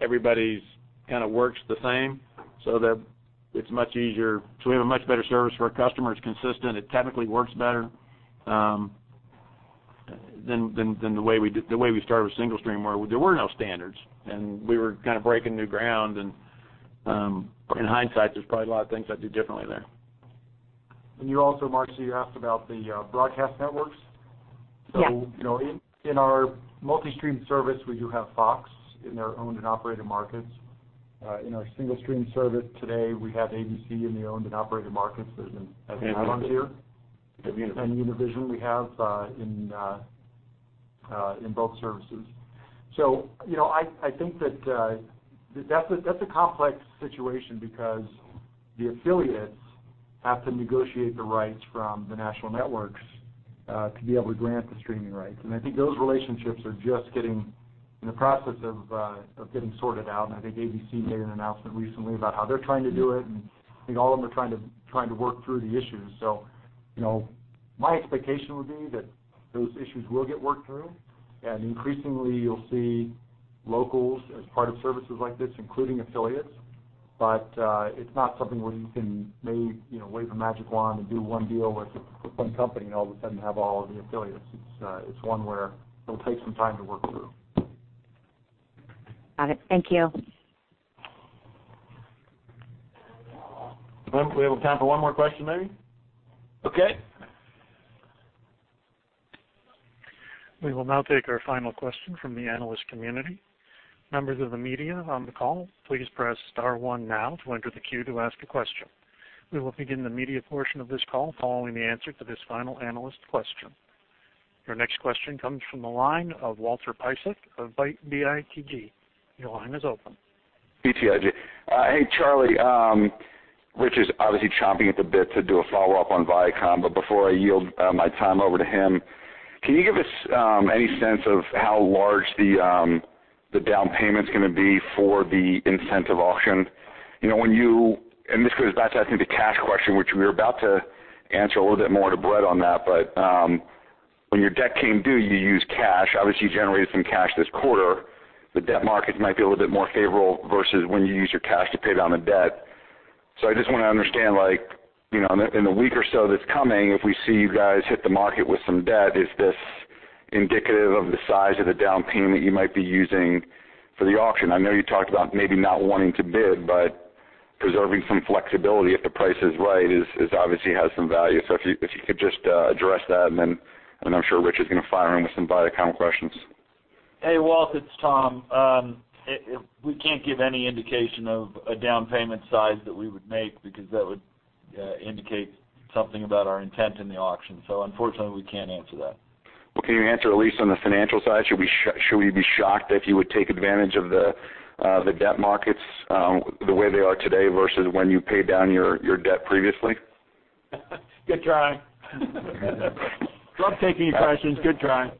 everybody's kind of works the same so that it's much easier, so we have a much better service for our customers. It's consistent. It technically works better than the way we started with single stream, where there were no standards, and we were kind of breaking new ground. In hindsight, there's probably a lot of things I'd do differently there. you also, Marci, you asked about the broadcast networks? Yes. You know, in our Multistream service, we do have Fox in their owned and operated markets. In our single stream service today, we have ABC in the owned and operated markets as an add-on tier. Univision. Univision we have in both services. You know, I think that's a complex situation because the affiliates have to negotiate the rights from the national networks to be able to grant the streaming rights, and I think those relationships are just getting in the process of getting sorted out. I think ABC made an announcement recently about how they're trying to do it, and I think all of them are trying to work through the issues. You know, my expectation would be that those issues will get worked through, and increasingly you'll see locals as part of services like this, including affiliates. It's not something where you can maybe, you know, wave a magic wand and do one deal with one company and all of a sudden have all of the affiliates. It's one where it'll take some time to work through. Got it. Thank you. Well, we have time for one more question maybe. Okay. We will now take our final question from the analyst community. Members of the media on the call, please press star 1 now to enter the queue to ask a question. We will begin the media portion of this call following the answer to this final analyst question. Your next question comes from the line of Walter Piecyk of BTIG. Your line is open. BTIG. Hey, Charlie. Rich is obviously chomping at the bit to do a follow-up on Viacom, but before I yield my time over to him, can you give us any sense of how large the down payment's gonna be for the Incentive Auction? You know, when you This goes back to, I think, the cash question, which we were about to answer a little bit more to Brett on that. When your debt came due, you used cash. Obviously, you generated some cash this quarter. The debt market might be a little bit more favorable versus when you used your cash to pay down the debt. I just want to understand, like, you know, in the week or so that's coming, if we see you guys hit the market with some debt, is this indicative of the size of the down payment you might be using for the auction? I know you talked about maybe not wanting to bid, but preserving some flexibility if the price is right is obviously has some value. If you could just address that, and I'm sure Rich is gonna fire in with some Viacom questions. Hey, Walt, it's Tom. We can't give any indication of a down payment size that we would make because that would indicate something about our intent in the auction. Unfortunately, we can't answer that. Can you answer at least on the financial side? Should we be shocked if you would take advantage of the debt markets, the way they are today versus when you paid down your debt previously? Good try. Love taking questions. Good try.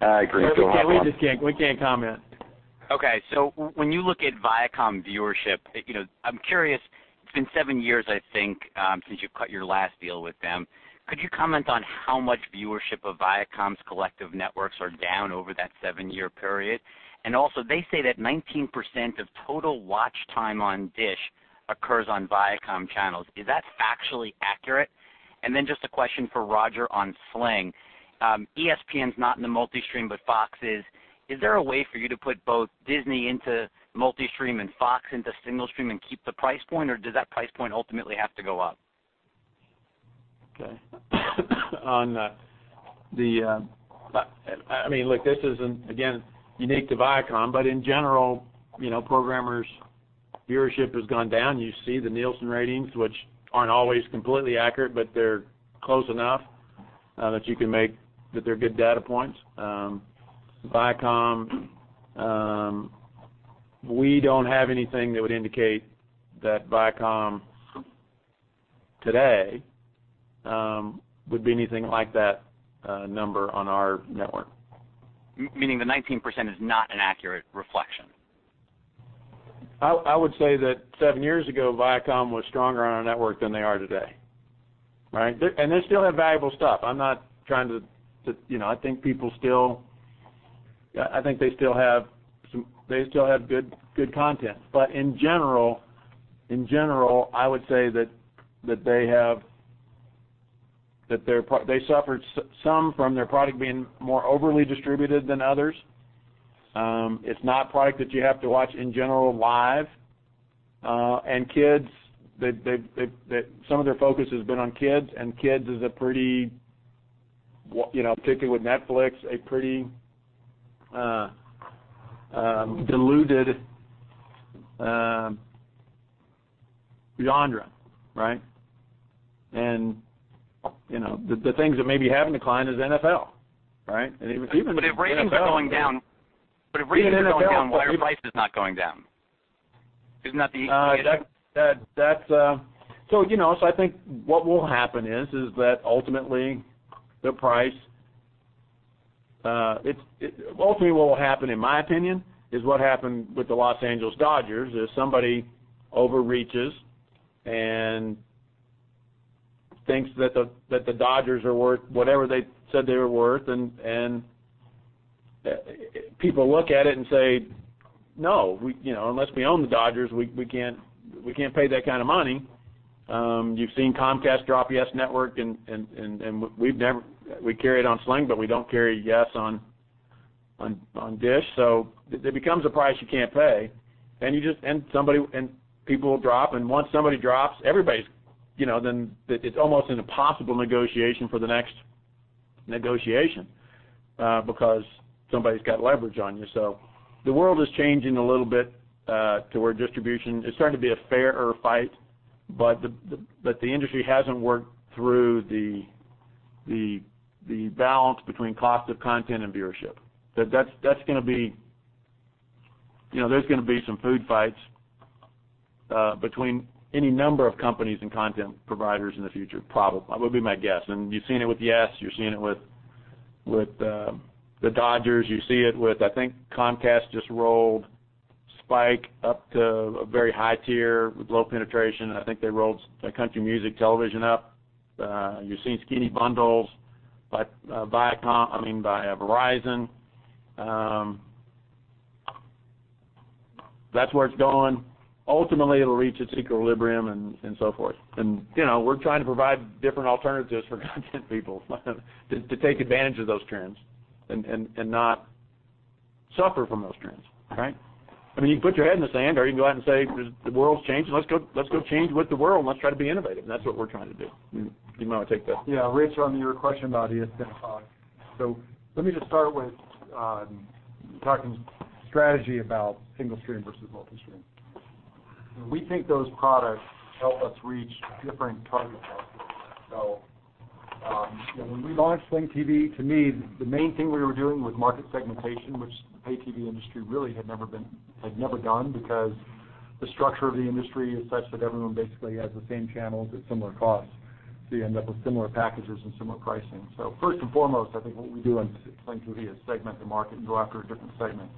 I agree. Go ahead, Tom. We can't comment. When you look at Viacom viewership, you know, I'm curious, it's been seven years, I think, since you've cut your last deal with them. Could you comment on how much viewership of Viacom's collective networks are down over that seven-year period? They say that 19% of total watch time on Dish occurs on Viacom channels. Is that factually accurate? Just a question for Roger on Sling. ESPN's not in the Multistream, Fox is. Is there a way for you to put both Disney into Multistream and Fox into Singlestream and keep the price point? Does that price point ultimately have to go up? Okay. On the, I mean, look, this isn't, again, unique to Viacom, but in general, you know, programmers, viewership has gone down. You see the Nielsen ratings, which aren't always completely accurate, but they're close enough, that you can make that they're good data points. Viacom, We don't have anything that would indicate that Viacom today, would be anything like that, number on our network. meaning the 19% is not an accurate reflection? I would say that seven years ago, Viacom was stronger on our network than they are today, right? They still have valuable stuff. I'm not trying to, You know, I think people still, I think they still have some, they still have good content. In general, I would say that they suffered some from their product being more overly distributed than others. It's not product that you have to watch, in general, live. Kids, they, some of their focus has been on kids, and kids is a pretty, you know, particularly with Netflix, a pretty diluted genre, right? You know, the things that may be having decline is NFL, right? Even. If ratings are going down. Even NFL If ratings are going down, why are prices not going down? Isn't that the? You know, I think what will happen is that ultimately what will happen, in my opinion, is what happened with the Los Angeles Dodgers, is somebody overreaches and thinks that the Dodgers are worth whatever they said they were worth and people look at it and say, "No, we, you know, unless we own the Dodgers, we can't pay that kind of money." You've seen Comcast drop YES Network and we carry it on Sling, but we don't carry Yes on Dish. It becomes a price you can't pay, you just and people drop, and once somebody drops, everybody's, you know. It's almost an impossible negotiation for the next negotiation because somebody's got leverage on you. The world is changing a little bit to where distribution, it's starting to be a fairer fight, but the industry hasn't worked through the balance between cost of content and viewership. That's gonna be You know, there's gonna be some food fights between any number of companies and content providers in the future, probably, would be my guess. You've seen it with YES Network. You're seeing it with, the Dodgers. You see it with I think Comcast just rolled Spike up to a very high tier with low penetration. I think they rolled Country Music Television up. You're seeing skinny bundles by Verizon. That's where it's going. Ultimately, it'll reach its equilibrium and so forth. You know, we're trying to provide different alternatives for content people to take advantage of those trends and not suffer from those trends, right? I mean, you can put your head in the sand, or you can go out and say, "The world's changing. Let's go change with the world, and let's try to be innovative." That's what we're trying to do. You might want to take that. Rich, on your question about ESPN and Fox. Let me just start with talking strategy about single stream versus multi-stream. We think those products help us reach different target markets. You know, when we launched Sling TV, to me, the main thing we were doing was market segmentation, which the pay TV industry really had never done because the structure of the industry is such that everyone basically has the same channels at similar costs, so you end up with similar packages and similar pricing. First and foremost, I think what we do on Sling TV is segment the market and go after a different segment.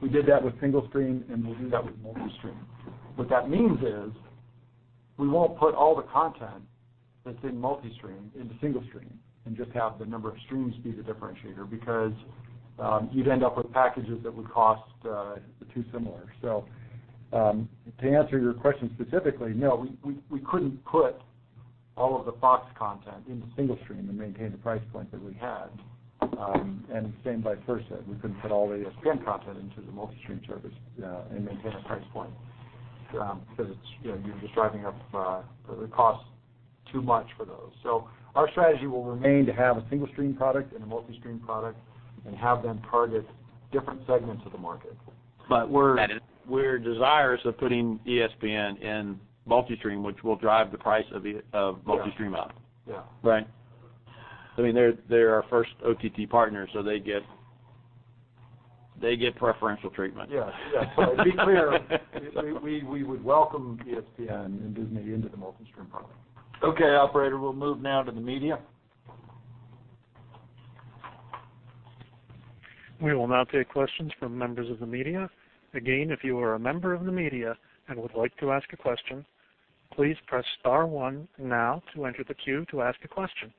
We did that with single stream, and we'll do that with multi-stream. What that means is, we won't put all the content that's in multi-stream into single stream and just have the number of streams be the differentiator because you'd end up with packages that would cost too similar. To answer your question specifically, no, we couldn't put all of the Fox content into single stream and maintain the price point that we had. Same vice versa. We couldn't put all the ESPN content into the multi-stream service and maintain a price point because it's, you know, you're just driving up the cost too much for those. Our strategy will remain to have a single stream product and a multi-stream product and have them target different segments of the market. But we're- Got it. We're desirous of putting ESPN in multi-stream, which will drive the price of multi-stream up. Yeah. Right? I mean, they're our first OTT partner, they get preferential treatment. Yes. Yes. To be clear, we would welcome ESPN and Disney into the multi-stream product. Okay, operator, we'll move now to the media. We will now take questions from members of the media. Again, if you are a member of the media and would like to ask a question, please press star one now to enter the queue to ask a question.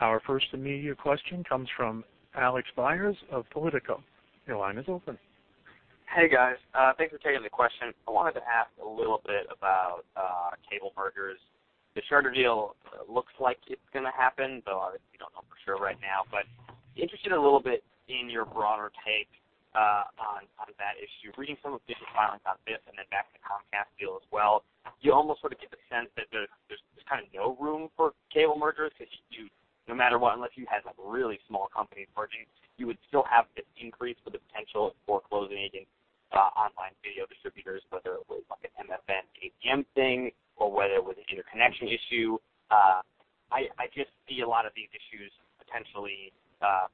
Our first media question comes from Alex Byers of Politico. Your line is open. Hey, guys. Thanks for taking the question. I wanted to ask a little bit about cable mergers. The Charter deal looks like it's gonna happen, though obviously we don't know for sure right now. Interested a little bit in your broader take on that issue. Reading some of Digiday on this and then back to the Comcast deal as well, you almost sort of get the sense that there's kind of no room for cable mergers because you, no matter what, unless you had like really small companies merging, you would still have this increase for the potential of foreclosing any online video distributors, whether it was MFN type thing or whether it was an interconnection issue. I just see a lot of these issues potentially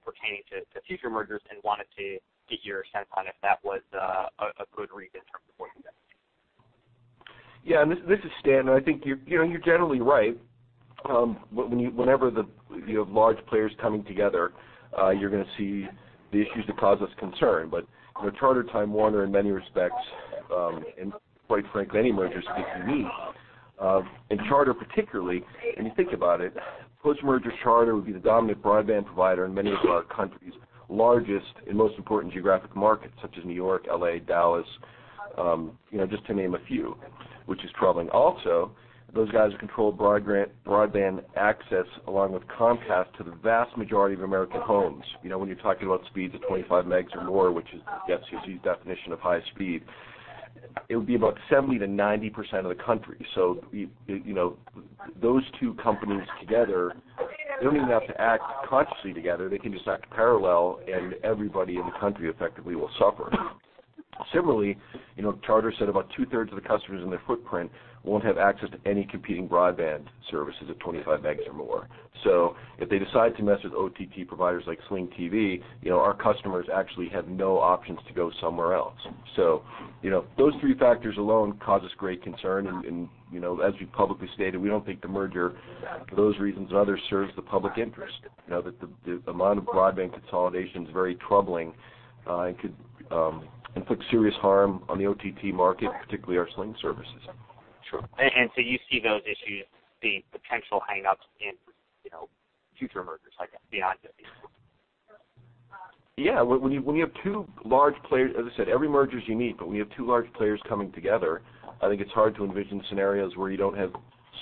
pertaining to future mergers and wanted to get your sense on if that was a good read in terms of what you guys think. This is Stan, and I think you're generally right. Whenever you have large players coming together, you're gonna see the issues that cause us concern. You know, Charter-Time Warner in many respects, and quite frankly, many mergers are unique. Charter particularly, when you think about it, post-merger Charter would be the dominant broadband provider in many of our country's largest and most important geographic markets, such as New York, L.A., Dallas, you know, just to name a few, which is troubling. Those guys control broadband access along with Comcast to the vast majority of American homes. You know, when you're talking about speeds of 25 megs or more, which is the FCC's definition of high speed, it would be about 70%-90% of the country. You know, those two companies together, they don't even have to act consciously together. They can just act parallel, and everybody in the country effectively will suffer. Similarly, you know, Charter said about two-thirds of the customers in their footprint won't have access to any competing broadband services at 25 megs or more. If they decide to mess with OTT providers like Sling TV, you know, our customers actually have no options to go somewhere else. You know, those three factors alone cause us great concern, and, you know, as we publicly stated, we don't think the merger for those reasons or others serves the public interest. You know, the amount of broadband consolidation is very troubling, and could inflict serious harm on the OTT market, particularly our Sling services. Sure. You see those issues being potential hang-ups in, you know, future mergers like that beyond this one? Yeah. When you have two large players, as I said, every merger's unique, when you have two large players coming together, I think it's hard to envision scenarios where you don't have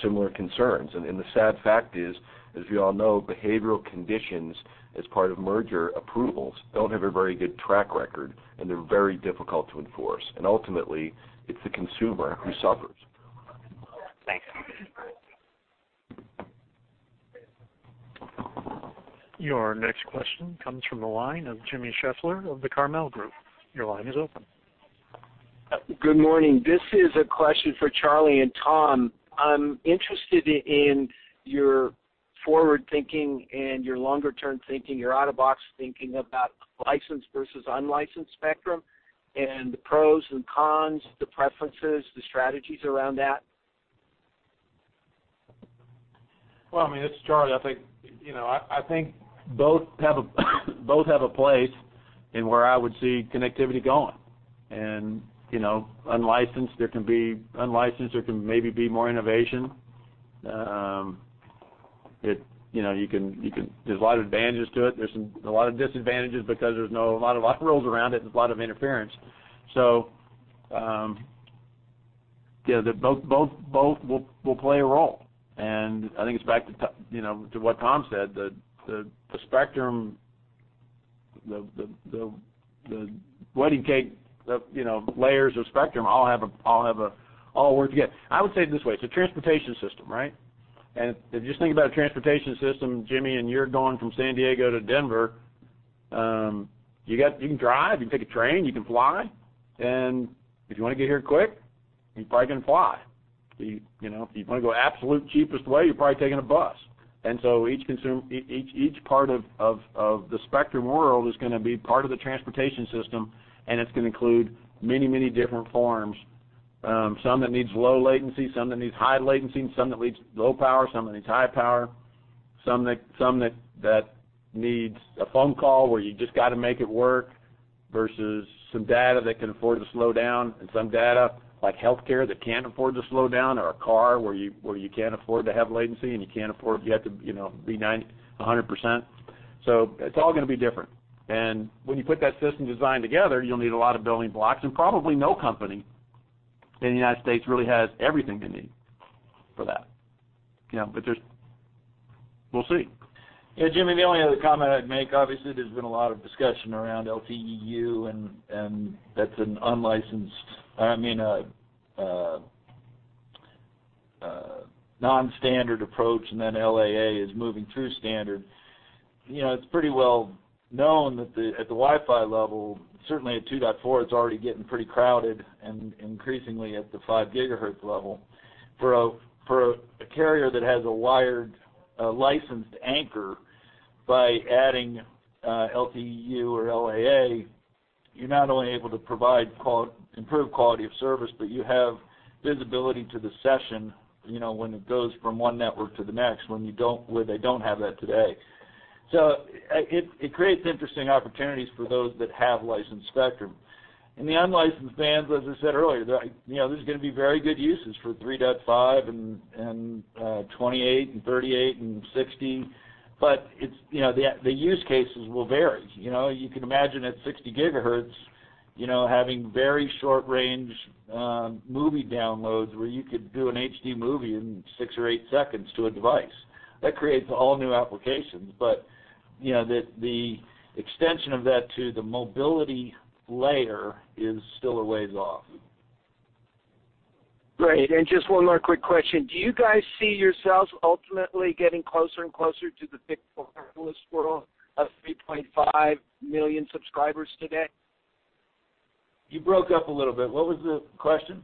similar concerns. The sad fact is, as we all know, behavioral conditions as part of merger approvals don't have a very good track record, and they're very difficult to enforce. Ultimately, it's the consumer who suffers. Thanks. Your next question comes from the line of Jimmy Schaeffler of The Carmel Group. Your line is open. Good morning. This is a question for Charlie and Tom. I'm interested in your forward thinking and your longer term thinking, your out-of-box thinking about licensed versus unlicensed spectrum and the pros and cons, the preferences, the strategies around that. Well, I mean, it's Charlie. I think, you know, I think both have a place in where I would see connectivity going. You know, unlicensed, there can be unlicensed, there can maybe be more innovation. You know, there's a lot of advantages to it. There's a lot of disadvantages because there's no, a lot of rules around it and a lot of interference. Yeah, both will play a role. I think it's back to, you know, to what Tom said, the spectrum, the wedding cake, you know, layers of spectrum all have a, all work together. I would say it this way, it's a transportation system, right? If you just think about a transportation system, Jimmy, you're going from San Diego to Denver, you can drive, you can take a train, you can fly. If you wanna get here quick, you probably can fly. You know, if you wanna go absolute cheapest way, you're probably taking a bus. Each part of the spectrum world is gonna be part of the transportation system, and it's gonna include many, many different forms. Some that needs low latency, some that needs high latency, and some that leads low power, some that needs high power. Some that needs a phone call where you just gotta make it work versus some data that can afford to slow down and some data, like healthcare, that can't afford to slow down or a car where you can't afford to have latency and you can't afford, you have to, you know, be 100%. It's all gonna be different. When you put that system design together, you'll need a lot of building blocks, and probably no company in the U.S. really has everything they need for that. You know, We'll see. Yeah, Jimmy, the only other comment I'd make, obviously, there's been a lot of discussion around LTE-U, and that's an unlicensed, I mean, a non-standard approach, and then LAA is moving through standard. You know, it's pretty well known that at the Wi-Fi level, certainly at 2.4, it's already getting pretty crowded and increasingly at the 5 gigahertz level. For a carrier that has a wired, licensed anchor, by adding LTE-U or LAA, you're not only able to improve quality of service, but you have visibility to the session, you know, when it goes from one network to the next, where they don't have that today. It creates interesting opportunities for those that have licensed spectrum. In the unlicensed bands, as I said earlier, you know, there's gonna be very good uses for 3.5 and, 28 and 38 and 60. But it's, you know, the use cases will vary. You know, you can imagine at 60 gigahertz, you know, having very short range, movie downloads where you could do an HD movie in 6 or 8 seconds to a device. That creates all new applications. But, you know, the extension of that to the mobility layer is still a ways off. Great. Just one more quick question. Do you guys see yourselves ultimately getting closer and closer to the big four wireless world of 3.5 million subscribers today? You broke up a little bit. What was the question?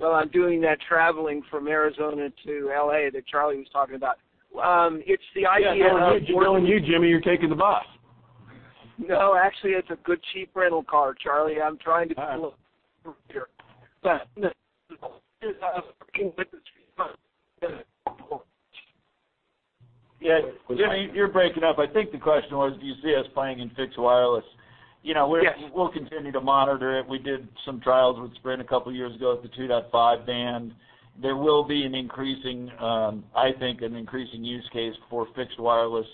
Well, I'm doing that traveling from Arizona to L.A. that Charlie was talking about. Yeah, good on you, Jimmy, you're taking the bus. No, actually, it's a good cheap rental car, Charlie. I'm trying to be a little thrifty here. Yeah, Jimmy, you're breaking up. I think the question was, do you see us playing in fixed wireless? Yes we'll continue to monitor it. We did some trials with Sprint a couple of years ago at the 2.5 band. There will be an increasing, I think, an increasing use case for fixed wireless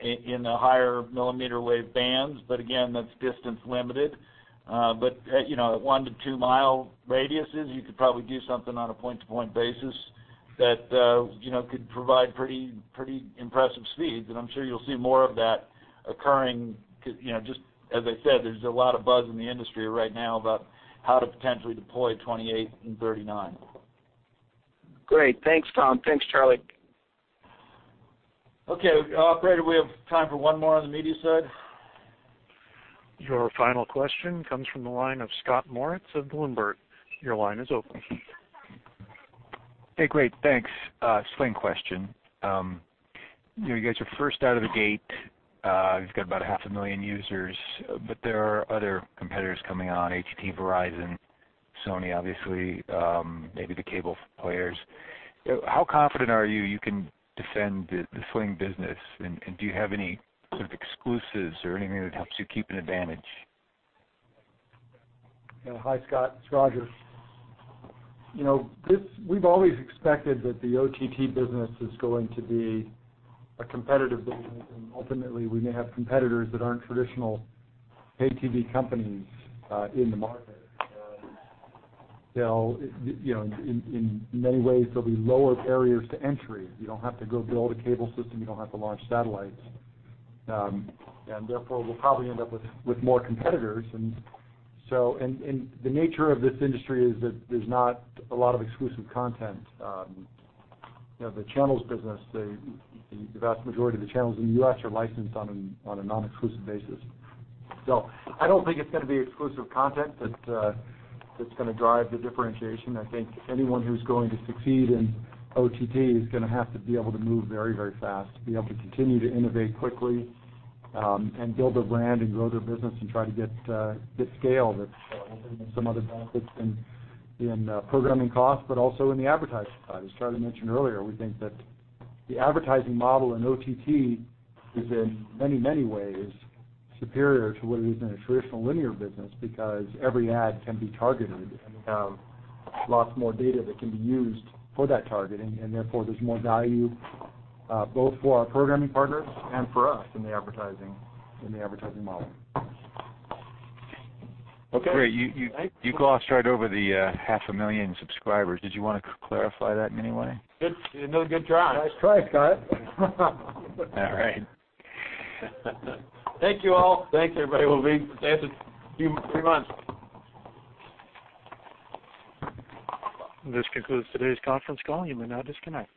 in the higher millimeter wave bands. Again, that's distance limited. You know, 1 to 2 mile radiuses, you could probably do something on a point-to-point basis that, you know, could provide pretty impressive speeds. I'm sure you'll see more of that occurring, you know, just as I said, there's a lot of buzz in the industry right now about how to potentially deploy 28 and 39. Great. Thanks, Tom. Thanks, Charlie. Okay. Operator, we have time for one more on the media side. Your final question comes from the line of Scott Moritz of Bloomberg. Your line is open. Hey, great. Thanks. Sling question. You know, you guys are first out of the gate, you've got about half a million users, but there are other competitors coming on, AT&T, Verizon, Sony, obviously, maybe the cable players. How confident are you you can defend the Sling business? Do you have any sort of exclusives or anything that helps you keep an advantage? Yeah. Hi, Scott. It's Roger. You know, we've always expected that the OTT business is going to be a competitive business, and ultimately, we may have competitors that aren't traditional pay TV companies in the market. They'll, you know, in many ways, there'll be lower barriers to entry. You don't have to go build a cable system, you don't have to launch satellites. Therefore, we'll probably end up with more competitors. The nature of this industry is that there's not a lot of exclusive content. You know, the channels business, the vast majority of the channels in the U.S. are licensed on a non-exclusive basis. I don't think it's gonna be exclusive content that's gonna drive the differentiation. I think anyone who's going to succeed in OTT is gonna have to be able to move very, very fast, to be able to continue to innovate quickly, and build their brand and grow their business and try to get scale. That's, I think there's some other benefits in programming costs, but also in the advertising side. As Charlie mentioned earlier, we think that the advertising model in OTT is in many ways superior to what it is in a traditional linear business because every ad can be targeted, and we have lots more data that can be used for that targeting, and therefore there's more value, both for our programming partners and for us in the advertising model. Okay. Great. You glossed right over the half a million subscribers. Did you wanna clarify that in any way? Good. No, good try. Nice try, Scott. All right. Thank you all. Thanks, everybody. We'll be in touch in few months. This concludes today's conference call. You may now disconnect.